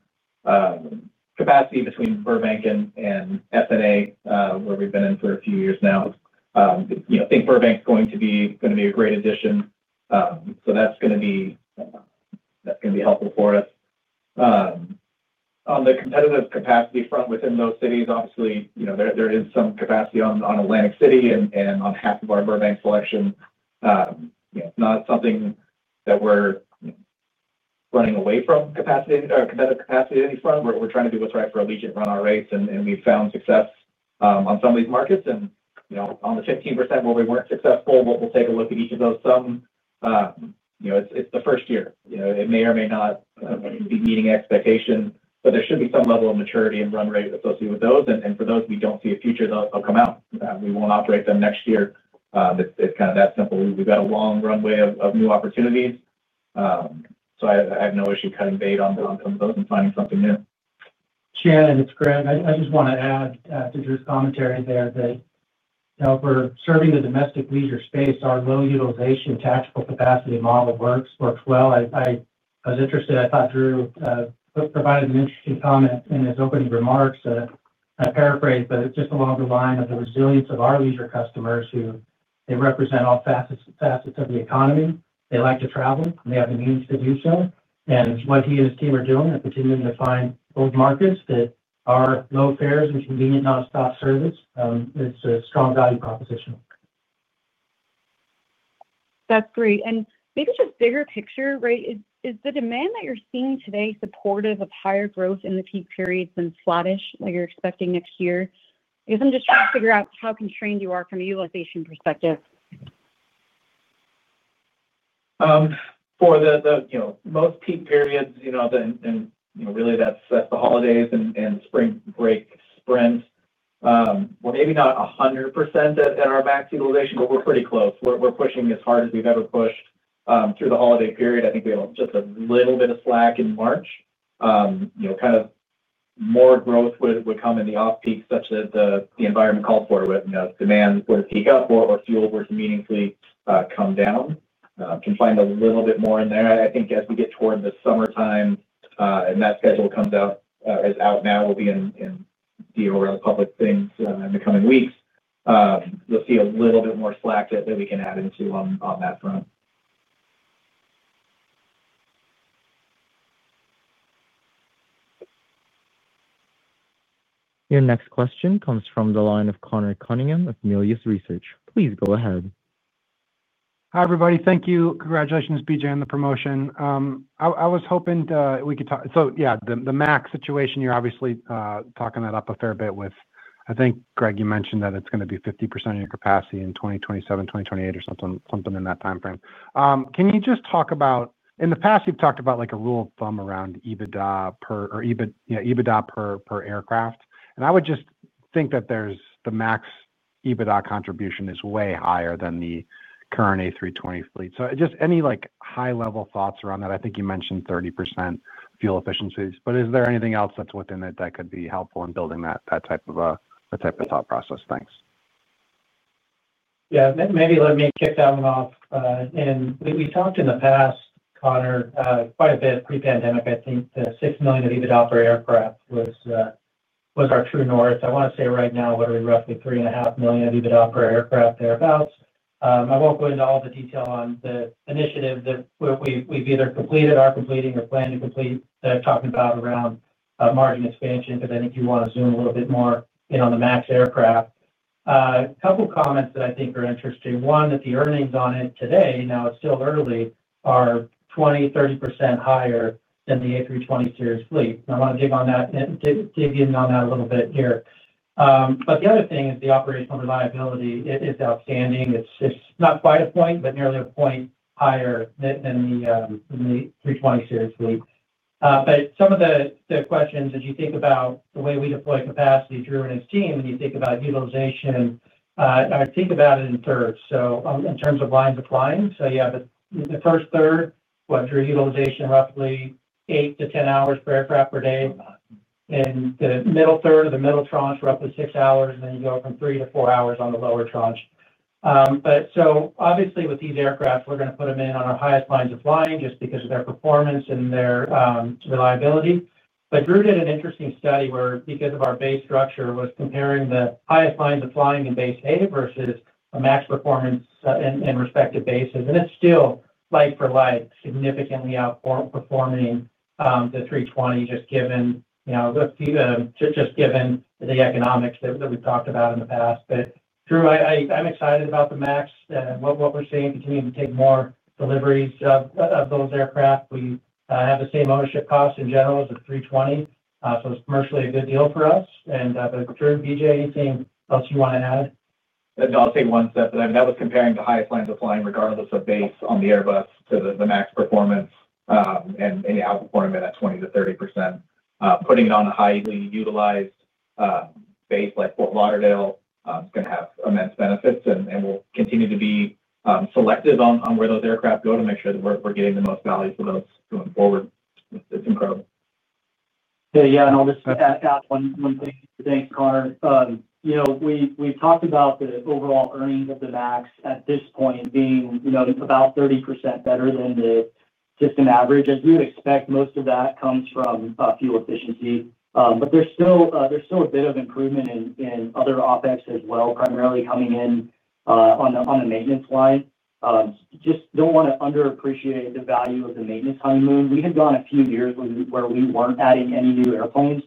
capacity between Burbank and SNA, where we've been in for a few years now. I think Burbank is going to be a great addition. So that's going to be helpful for us. On the competitive capacity front within those cities, obviously, there is some capacity on Atlantic City and on half of our Burbank selection. It's not something that we're running away from. Competitive capacity on any front. We're trying to do what's right for Allegiant run our race, and we've found success on some of these markets. And on the 15% where we weren't successful, we'll take a look at each of those some. It's the first year. It may or may not be meeting expectations, but there should be some level of maturity and run rate associated with those. And for those, we don't see a future that'll come out. We won't operate them next year. It's kind of that simple. We've got a long runway of new opportunities. So I have no issue cutting bait on some of those and finding something new. Shannon, it's Greg. I just want to add to Drew's commentary there that for serving the domestic leisure space, our low utilization tactical capacity model works well. I was interested. I thought Drew provided an interesting comment in his opening remarks. I paraphrased, but it's just along the line of the resilience of our leisure customers who represent all facets of the economy. They like to travel, and they have the means to do so, and what he and his team are doing and continuing to find those markets that are low fares and convenient nonstop service is a strong value proposition. That's great. And maybe just bigger picture, right? Is the demand that you're seeing today supportive of higher growth in the peak periods than slot-ish that you're expecting next year? I guess I'm just trying to figure out how constrained you are from a utilization perspective. For the most peak periods, and really, that's the holidays and spring break sprint. We're maybe not 100% at our max utilization, but we're pretty close. We're pushing as hard as we've ever pushed through the holiday period. I think we have just a little bit of slack in March, kind of. More growth would come in the off-peak such that the environment called for it. Demand would peak up or fuel would meaningfully come down. Can find a little bit more in there. I think as we get toward the summertime and that schedule comes out, it's out now, we'll be able to add around public things in the coming weeks. You'll see a little bit more slack that we can add into on that front. Your next question comes from the line of Conor Cunningham of Melius Research. Please go ahead. Hi, everybody. Thank you. Congratulations, BJ, on the promotion. I was hoping we could talk. So yeah, the MAX situation, you're obviously talking that up a fair bit with. I think, Greg, you mentioned that it's going to be 50% of your capacity in 2027, 2028, or something in that timeframe. Can you just talk about, in the past, you've talked about a rule of thumb around EBITDA per aircraft. And I would just think that the MAX EBITDA contribution is way higher than the current A320 fleet. So just any high-level thoughts around that? I think you mentioned 30% fuel efficiencies, but is there anything else that's within it that could be helpful in building that type of thought process? Thanks. Yeah. Maybe let me kick that one off. And we talked in the past, Connor, quite a bit pre-pandemic. I think the $6 million of EBITDA per aircraft was our true north. I want to say right now, what are we roughly? $3.5 million of EBITDA per aircraft, thereabouts. I won't go into all the detail on the initiative that we've either completed, are completing, or plan to complete that I'm talking about around margin expansion, because I think you want to zoom a little bit more in on the MAX aircraft. A couple of comments that I think are interesting. One, that the earnings on it today, now it's still early, are 20-30% higher than the A320 series fleet. And I want to dig on that, dig in on that a little bit here. But the other thing is the operational reliability. It is outstanding. It's not quite a point, but nearly a point higher than the 320 series fleet. But some of the questions, as you think about the way we deploy capacity, Drew and his team, when you think about utilization. I think about it in thirds. So in terms of lines of flying, so yeah, the first third, what, Drew, utilization roughly 8-10 hours per aircraft per day. And the middle third or the middle tranche, roughly 6 hours, and then you go from 3-4 hours on the lower tranche. But so obviously, with these aircraft, we're going to put them in on our highest lines of flying just because of their performance and their reliability. But Drew did an interesting study where, because of our base structure, was comparing the highest lines of flying in base A versus a MAX performance in respective bases. And it's still, like for like, significantly outperforming the 320, just given the economics that we've talked about in the past. But Drew, I'm excited about the MAX and what we're seeing, continuing to take more deliveries of those aircraft. We have the same ownership cost in general as the 320. So it's commercially a good deal for us. And Drew, BJ, anything else you want to add? I'll say one step. I mean, that was comparing the highest lines of flying, regardless of base, on the Airbus to the max performance. And outperforming them at 20%-30%. Putting it on a highly utilized base like Fort Lauderdale is going to have immense benefits. And we'll continue to be selective on where those aircraft go to make sure that we're getting the most value for those going forward. It's improved. Yeah. And I'll just add one thing, Conor. We've talked about the overall earnings of the MAX at this point being about 30% better than the system average. As you would expect, most of that comes from fuel efficiency. But there's still a bit of improvement in other OPEX as well, primarily coming in. On the maintenance line. Just don't want to underappreciate the value of the maintenance honeymoon. We had gone a few years where we weren't adding any new airplanes.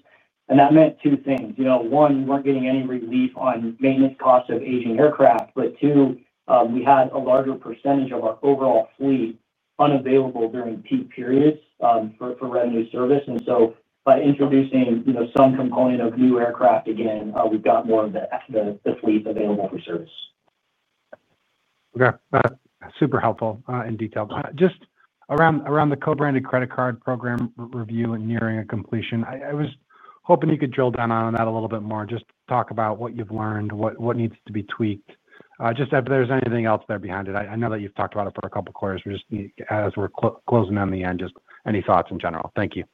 And that meant two things. One, we weren't getting any relief on maintenance costs of aging aircraft. But two, we had a larger percentage of our overall fleet unavailable during peak periods for revenue service. And so by introducing some component of new aircraft again, we've got more of the fleet available for service. Okay. Super helpful and detailed. Just around the co-branded credit card program review and nearing a completion, I was hoping you could drill down on that a little bit more. Just talk about what you've learned, what needs to be tweaked. Just if there's anything else there behind it. I know that you've talked about it for a couple of quarters. As we're closing on the end, just any thoughts in general? Thank you.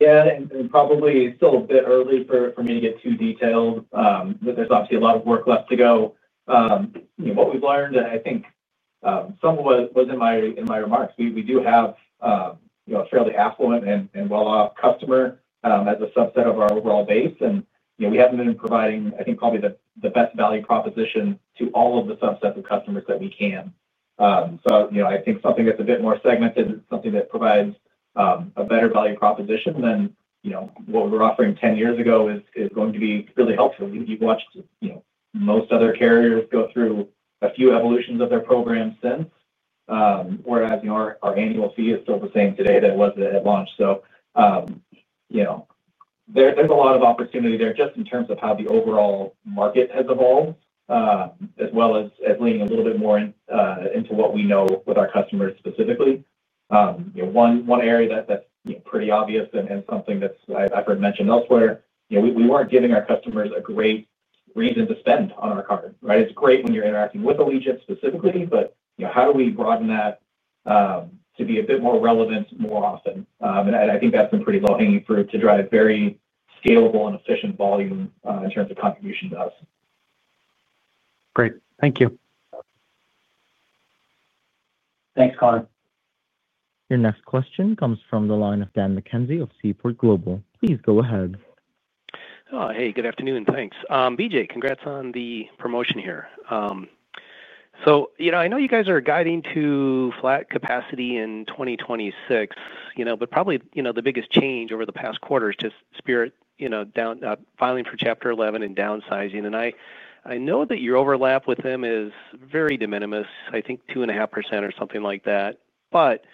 Yeah. And probably it's still a bit early for me to get too detailed. There's obviously a lot of work left to go. What we've learned, and I think some of what was in my remarks, we do have a fairly affluent and well-off customer as a subset of our overall base. And we haven't been providing, I think, probably the best value proposition to all of the subsets of customers that we can. So I think something that's a bit more segmented is something that provides a better value proposition than what we were offering 10 years ago is going to be really helpful. You've watched most other carriers go through a few evolutions of their program since. Whereas our annual fee is still the same today than it was at launch. So there's a lot of opportunity there just in terms of how the overall market has evolved. As well as leaning a little bit more into what we know with our customers specifically. One area that's pretty obvious and something that I've heard mentioned elsewhere, we weren't giving our customers a great reason to spend on our card, right? It's great when you're interacting with Allegiant specifically, but how do we broaden that to be a bit more relevant more often? And I think that's been pretty low-hanging fruit to drive very scalable and efficient volume in terms of contribution to us. Great. Thank you. Thanks, Conor. Your next question comes from the line of Dan McKenzie of Seaport Global. Please go ahead. Hey, good afternoon. Thanks. BJ, congrats on the promotion here. So I know you guys are guiding to flat capacity in 2026, but probably the biggest change over the past quarter is just Spirit filing for Chapter 11 and downsizing. And I know that your overlap with them is very de minimis, I think 2.5% or something like that. But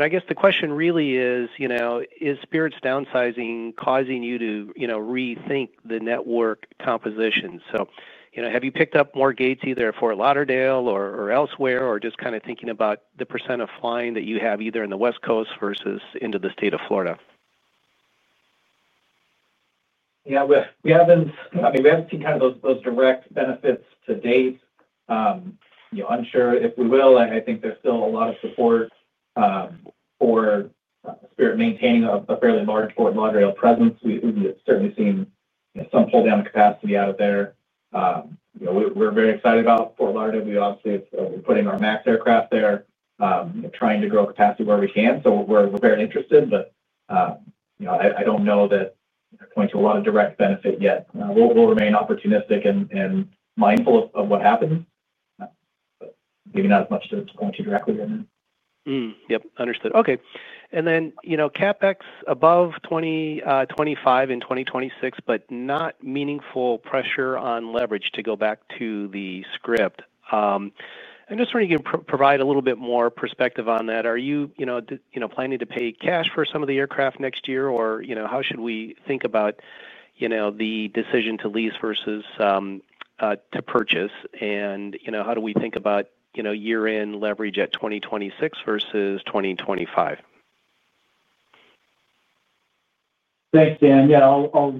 I guess the question really is: Is Spirit's downsizing causing you to rethink the network composition? So have you picked up more gates either at Fort Lauderdale or elsewhere, or just kind of thinking about the percent of flying that you have either in the West Coast versus into the state of Florida? Yeah. I mean, we haven't seen kind of those direct benefits to date. Unsure if we will. I think there's still a lot of support for Spirit maintaining a fairly large Fort Lauderdale presence. We've certainly seen some pull-down capacity out of there. We're very excited about Fort Lauderdale. We obviously are putting our MAX aircraft there, trying to grow capacity where we can. So we're very interested, but I don't know that I'm going to see a lot of direct benefit yet. We'll remain opportunistic and mindful of what happens. Maybe not as much to point to directly right now. Yep. Understood. Okay. And then CapEx above 2025 and 2026, but not meaningful pressure on leverage to go back to the script. I'm just trying to provide a little bit more perspective on that. Are you planning to pay cash for some of the aircraft next year, or how should we think about the decision to lease versus to purchase? And how do we think about year-end leverage at 2026 versus 2025? Thanks, Dan. Yeah. I'll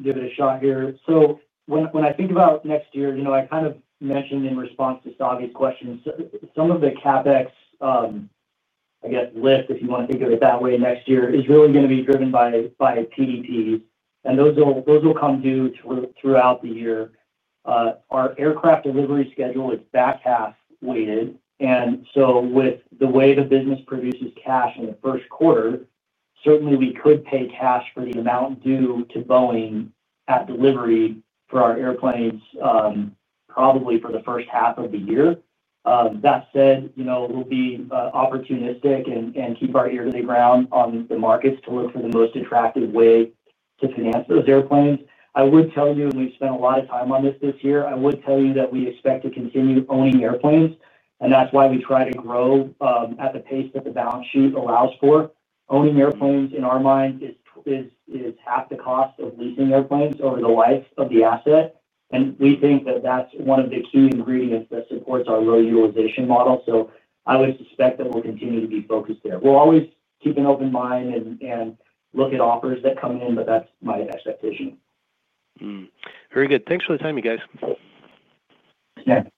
give it a shot here. So when I think about next year, I kind of mentioned in response to Savanthi's questions, some of the CapEx. I guess, lift, if you want to think of it that way, next year is really going to be driven by PDPs. And those will come due throughout the year. Our aircraft delivery schedule is back half weighted. And so with the way the business produces cash in the first quarter, certainly we could pay cash for the amount due to Boeing at delivery for our airplanes. Probably for the first half of the year. That said, we'll be opportunistic and keep our ear to the ground on the markets to look for the most attractive way to finance those airplanes. I would tell you, and we've spent a lot of time on this this year, I would tell you that we expect to continue owning airplanes. And that's why we try to grow at the pace that the balance sheet allows for. Owning airplanes, in our mind, is half the cost of leasing airplanes over the life of the asset. And we think that that's one of the key ingredients that supports our low utilization model. So I would suspect that we'll continue to be focused there. We'll always keep an open mind and look at offers that come in, but that's my expectation. Very good. Thanks for the time, you guys. Thanks, Dan.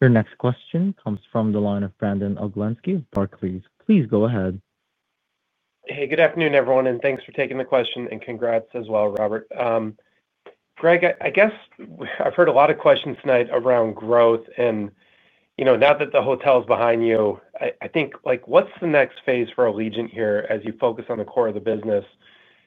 Your next question comes from the line of Brandon Oglenski of Barclays. Please go ahead. Hey, good afternoon, everyone. And thanks for taking the question. And congrats as well, Robert. Greg, I guess I've heard a lot of questions tonight around growth. And now that the hotel is behind you, I think what's the next phase for Allegiant here as you focus on the core of the business?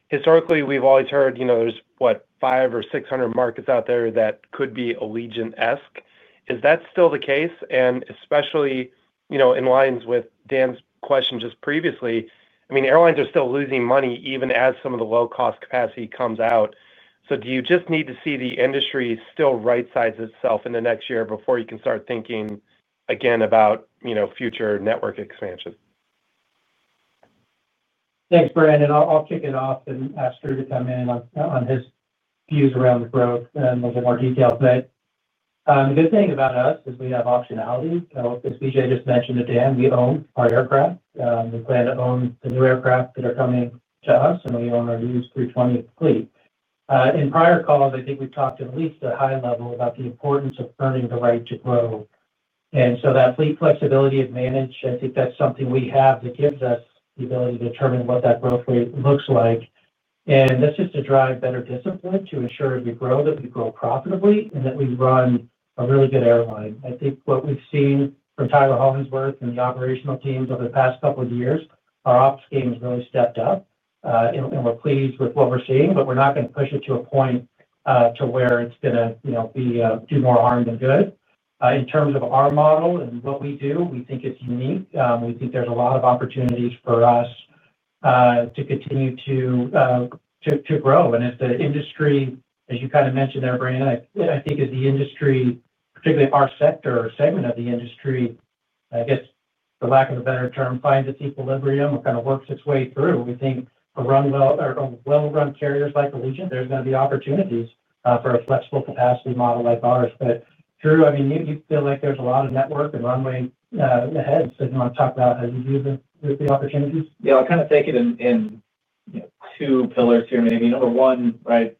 Historically, we've always heard there's, what, five or six hundred markets out there that could be Allegiant-esque. Is that still the case? And especially. In line with Dan's question just previously, I mean, airlines are still losing money even as some of the low-cost capacity comes out. So do you just need to see the industry still right-size itself in the next year before you can start thinking again about future network expansion? Thanks, Brandon. I'll kick it off and ask Drew to come in on his views around the growth and a little bit more detail today. The good thing about us is we have optionality. As BJ just mentioned to Dan, we own our aircraft. We plan to own the new aircraft that are coming to us, and we own our new 320 fleet. In prior calls, I think we've talked at least at a high level about the importance of earning the right to grow. And so that fleet flexibility is managed. I think that's something we have that gives us the ability to determine what that growth rate looks like. And that's just to drive better discipline to ensure that we grow, that we grow profitably, and that we run a really good airline. I think what we've seen from Tyler Hollingsworth and the operational teams over the past couple of years, our ops game has really stepped up. And we're pleased with what we're seeing, but we're not going to push it to a point to where it's going to do more harm than good. In terms of our model and what we do, we think it's unique. We think there's a lot of opportunities for us to continue to grow. And as the industry, as you kind of mentioned there, Brandon, I think as the industry, particularly our sector or segment of the industry, I guess for lack of a better term, finds its equilibrium or kind of works its way through, we think for well-run carriers like Allegiant, there's going to be opportunities for a flexible capacity model like ours. But Drew, I mean, you feel like there's a lot of network and runway ahead. So you want to talk about how you view the opportunities? Yeah. I'll kind of take it in. Two pillars here, maybe. Number one, right,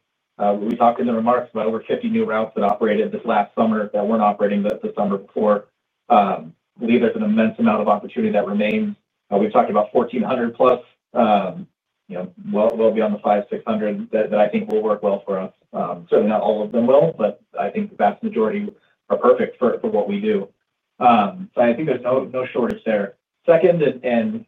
we talked in the remarks about over 50 new routes that operated this last summer that weren't operating the summer before. We think there's an immense amount of opportunity that remains. We've talked about 1,400-plus. Well beyond the 5,600 that I think will work well for us. Certainly not all of them will, but I think the vast majority are perfect for what we do. So I think there's no shortage there. Second, and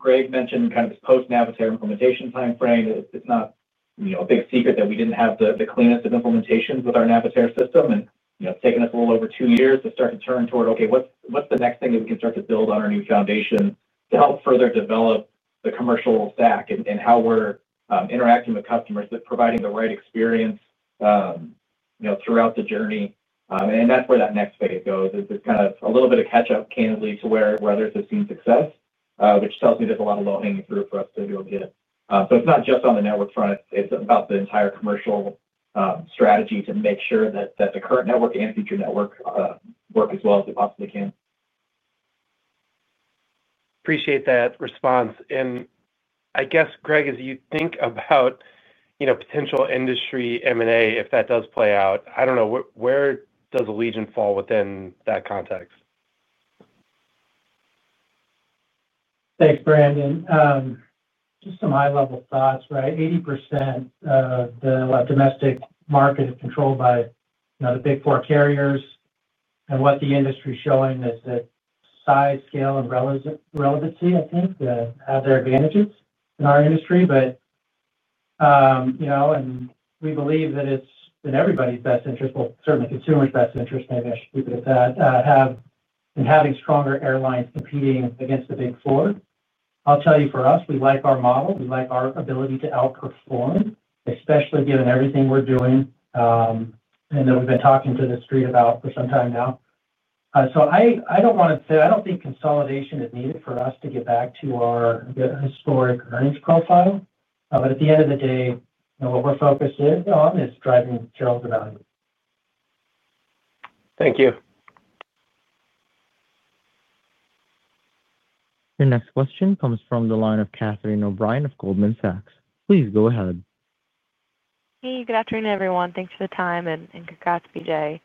Greg mentioned kind of post-Navitaire implementation timeframe. It's not a big secret that we didn't have the cleanest of implementations with our Navitaire system. And it's taken us a little over two years to start to turn toward, okay, what's the next thing that we can start to build on our new foundation to help further develop the commercial stack and how we're interacting with customers, providing the right experience throughout the journey. And that's where that next phase goes. It's kind of a little bit of catch-up, candidly, to where others have seen success, which tells me there's a lot of low-hanging fruit for us to be able to hit. So it's not just on the network front. It's about the entire commercial strategy to make sure that the current network and future network work as well as they possibly can. Appreciate that response. And I guess, Greg, as you think about potential industry M&A, if that does play out, I don't know, where does Allegiant fall within that context? Thanks, Brandon. Just some high-level thoughts, right? 80% of the domestic market is controlled by the big four carriers. And what the industry is showing is that size, scale, and relevancy, I think, have their advantages in our industry. And. We believe that it's in everybody's best interest, well, certainly consumers' best interest, maybe I should keep it at that, in having stronger airlines competing against the big four. I'll tell you, for us, we like our model. We like our ability to outperform, especially given everything we're doing. And that we've been talking to the street about for some time now. So I don't want to say I don't think consolidation is needed for us to get back to our historic earnings profile. But at the end of the day, what we're focused on is driving shareholder value. Thank you. Your next question comes from the line of Catherine O'Brien of Goldman Sachs. Please go ahead. Hey, good afternoon, everyone. Thanks for the time and congrats, BJ.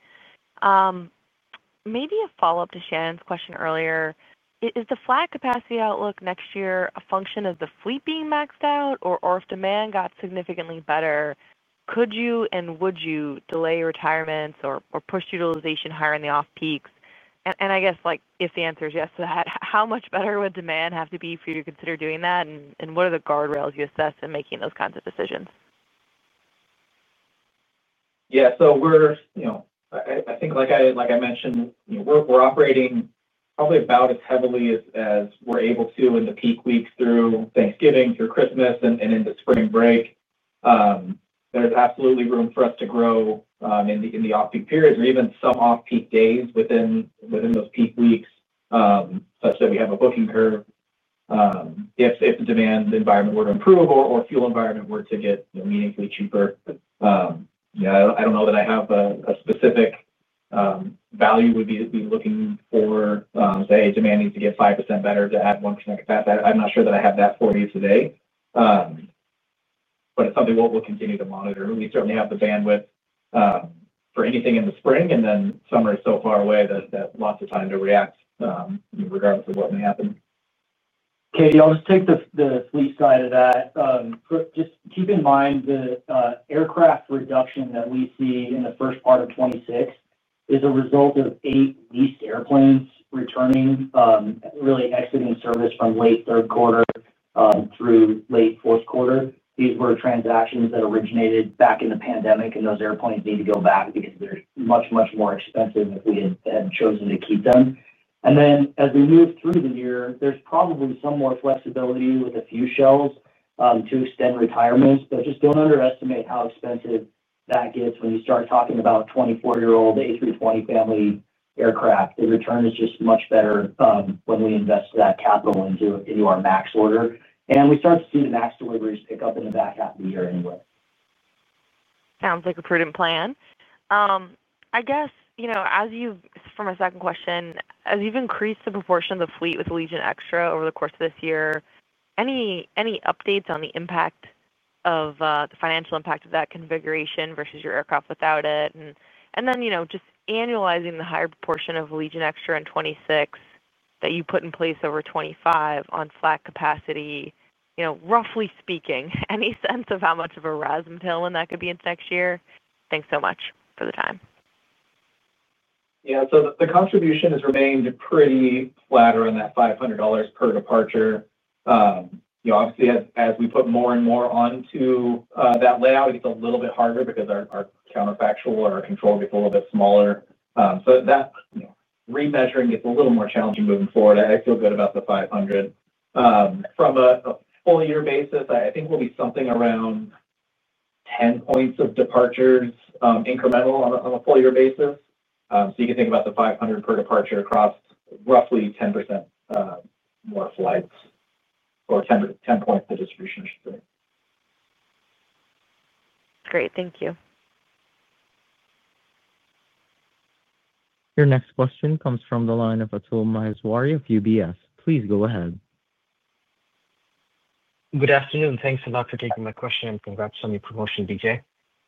Maybe a follow-up to Shannon's question earlier. Is the flat capacity outlook next year a function of the fleet being maxed out? Or if demand got significantly better, could you and would you delay retirements or push utilization higher in the off-peaks? And I guess if the answer is yes to that, how much better would demand have to be for you to consider doing that? And what are the guardrails you assess in making those kinds of decisions? Yeah. So. I think, like I mentioned, we're operating probably about as heavily as we're able to in the peak weeks through Thanksgiving, through Christmas, and into spring break. There's absolutely room for us to grow in the off-peak periods or even some off-peak days within those peak weeks, such that we have a booking curve. If the demand environment were to improve or the fuel environment were to get meaningfully cheaper. I don't know that I have a specific value we'd be looking for. Say demand needs to get 5% better to add 1% capacity. I'm not sure that I have that for you today. But it's something we'll continue to monitor. We certainly have the bandwidth for anything in the spring. And then summer is so far away that lots of time to react, regardless of what may happen. Katie, I'll just take the fleet side of that. Just keep in mind the aircraft reduction that we see in the first part of 2026 is a result of eight leased airplanes returning, really exiting service from late third quarter through late fourth quarter. These were transactions that originated back in the pandemic, and those airplanes need to go back because they're much, much more expensive if we had chosen to keep them. And then as we move through the year, there's probably some more flexibility with a few shells to extend retirements. But just don't underestimate how expensive that gets when you start talking about 24-year-old A320 family aircraft. The return is just much better when we invest that capital into our max order. And we start to see the max deliveries pick up in the back half of the year anyway. Sounds like a prudent plan. I guess. From a second question, as you've increased the proportion of the fleet with Allegiant Extra over the course of this year, any updates on the impact of the financial impact of that configuration versus your aircraft without it? And then just annualizing the higher proportion of Allegiant Extra in 2026 that you put in place over 2025 on flat capacity, roughly speaking, any sense of how much of a RASM tailwind that could be into next year? Thanks so much for the time. Yeah. So the contribution has remained pretty flatter on that $500 per departure. Obviously, as we put more and more onto that layout, it gets a little bit harder because our counterfactual or our control gets a little bit smaller. So that remeasuring gets a little more challenging moving forward. I feel good about the 500. From a full-year basis, I think we'll be something around 10 points of departures incremental on a full-year basis. So you can think about the 500 per departure across roughly 10% more flights or 10 points of distribution, I should say. Great. Thank you. Your next question comes from the line of Atul Maheswari of UBS. Please go ahead. Good afternoon. Thanks a lot for taking my question and congrats on your promotion, BJ.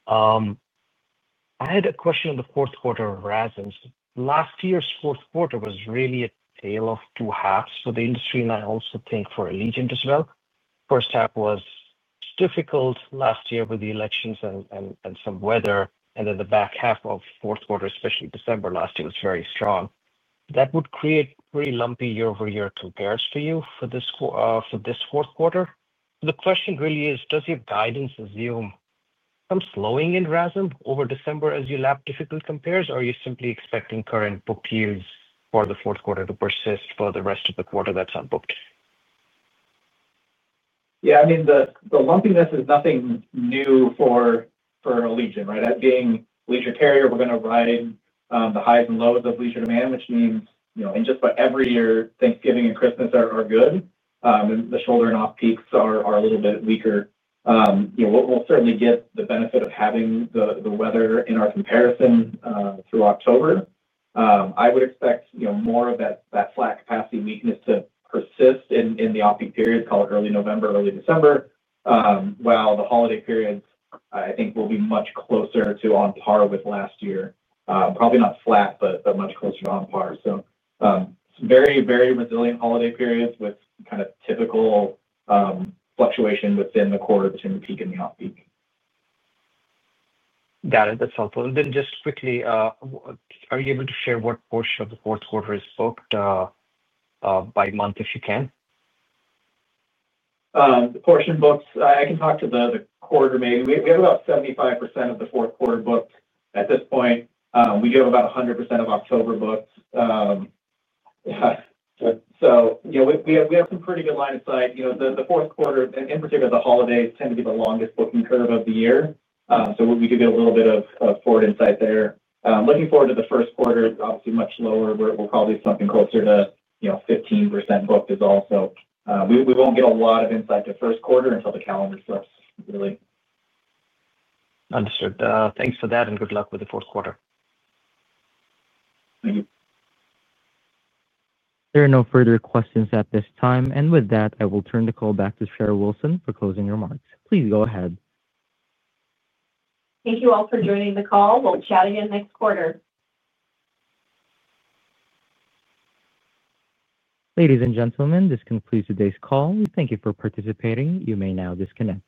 I had a question on the fourth quarter of RASM. Last year's fourth quarter was really a tale of two halves for the industry, and I also think for Allegiant as well. First half was difficult last year with the elections and some weather. And then the back half of fourth quarter, especially December last year, was very strong. That would create a pretty lumpy year-over-year compares for you for this fourth quarter. The question really is, does your guidance assume some slowing in RASM over December as you lap difficult compares, or are you simply expecting current bookings for the fourth quarter to persist for the rest of the quarter that's unbooked? Yeah. I mean, the lumpiness is nothing new for Allegiant, right? As being an Allegiant carrier, we're going to ride the highs and lows of Allegiant demand, which means in just about every year, Thanksgiving and Christmas are good. And the shoulder and off-peaks are a little bit weaker. We'll certainly get the benefit of having the weather in our comparison through October. I would expect more of that flat capacity weakness to persist in the off-peak period, call it early November, early December. While the holiday periods, I think, will be much closer to on par with last year. Probably not flat, but much closer to on par. So. Very, very resilient holiday periods with kind of typical fluctuation within the quarter between the peak and the off-peak. Got it. That's helpful, and then just quickly. Are you able to share what portion of the fourth quarter is booked by month, if you can? The portion booked, I can talk to the quarter maybe. We have about 75% of the fourth quarter booked at this point. We do have about 100% of October booked. So we have some pretty good line of sight. The fourth quarter, in particular, the holidays tend to be the longest booking curve of the year. So we do get a little bit of forward insight there. Looking forward to the first quarter, obviously much lower, we're probably something closer to 15% booked as well. So we won't get a lot of insight to first quarter until the calendar flips, really. Understood. Thanks for that and good luck with the fourth quarter. Thank you. There are no further questions at this time. And with that, I will turn the call back to Sherry Wilson for closing remarks. Please go ahead. Thank you all for joining the call. We'll chat again next quarter. Ladies and gentlemen, this concludes today's call. Thank you for participating. You may now disconnect.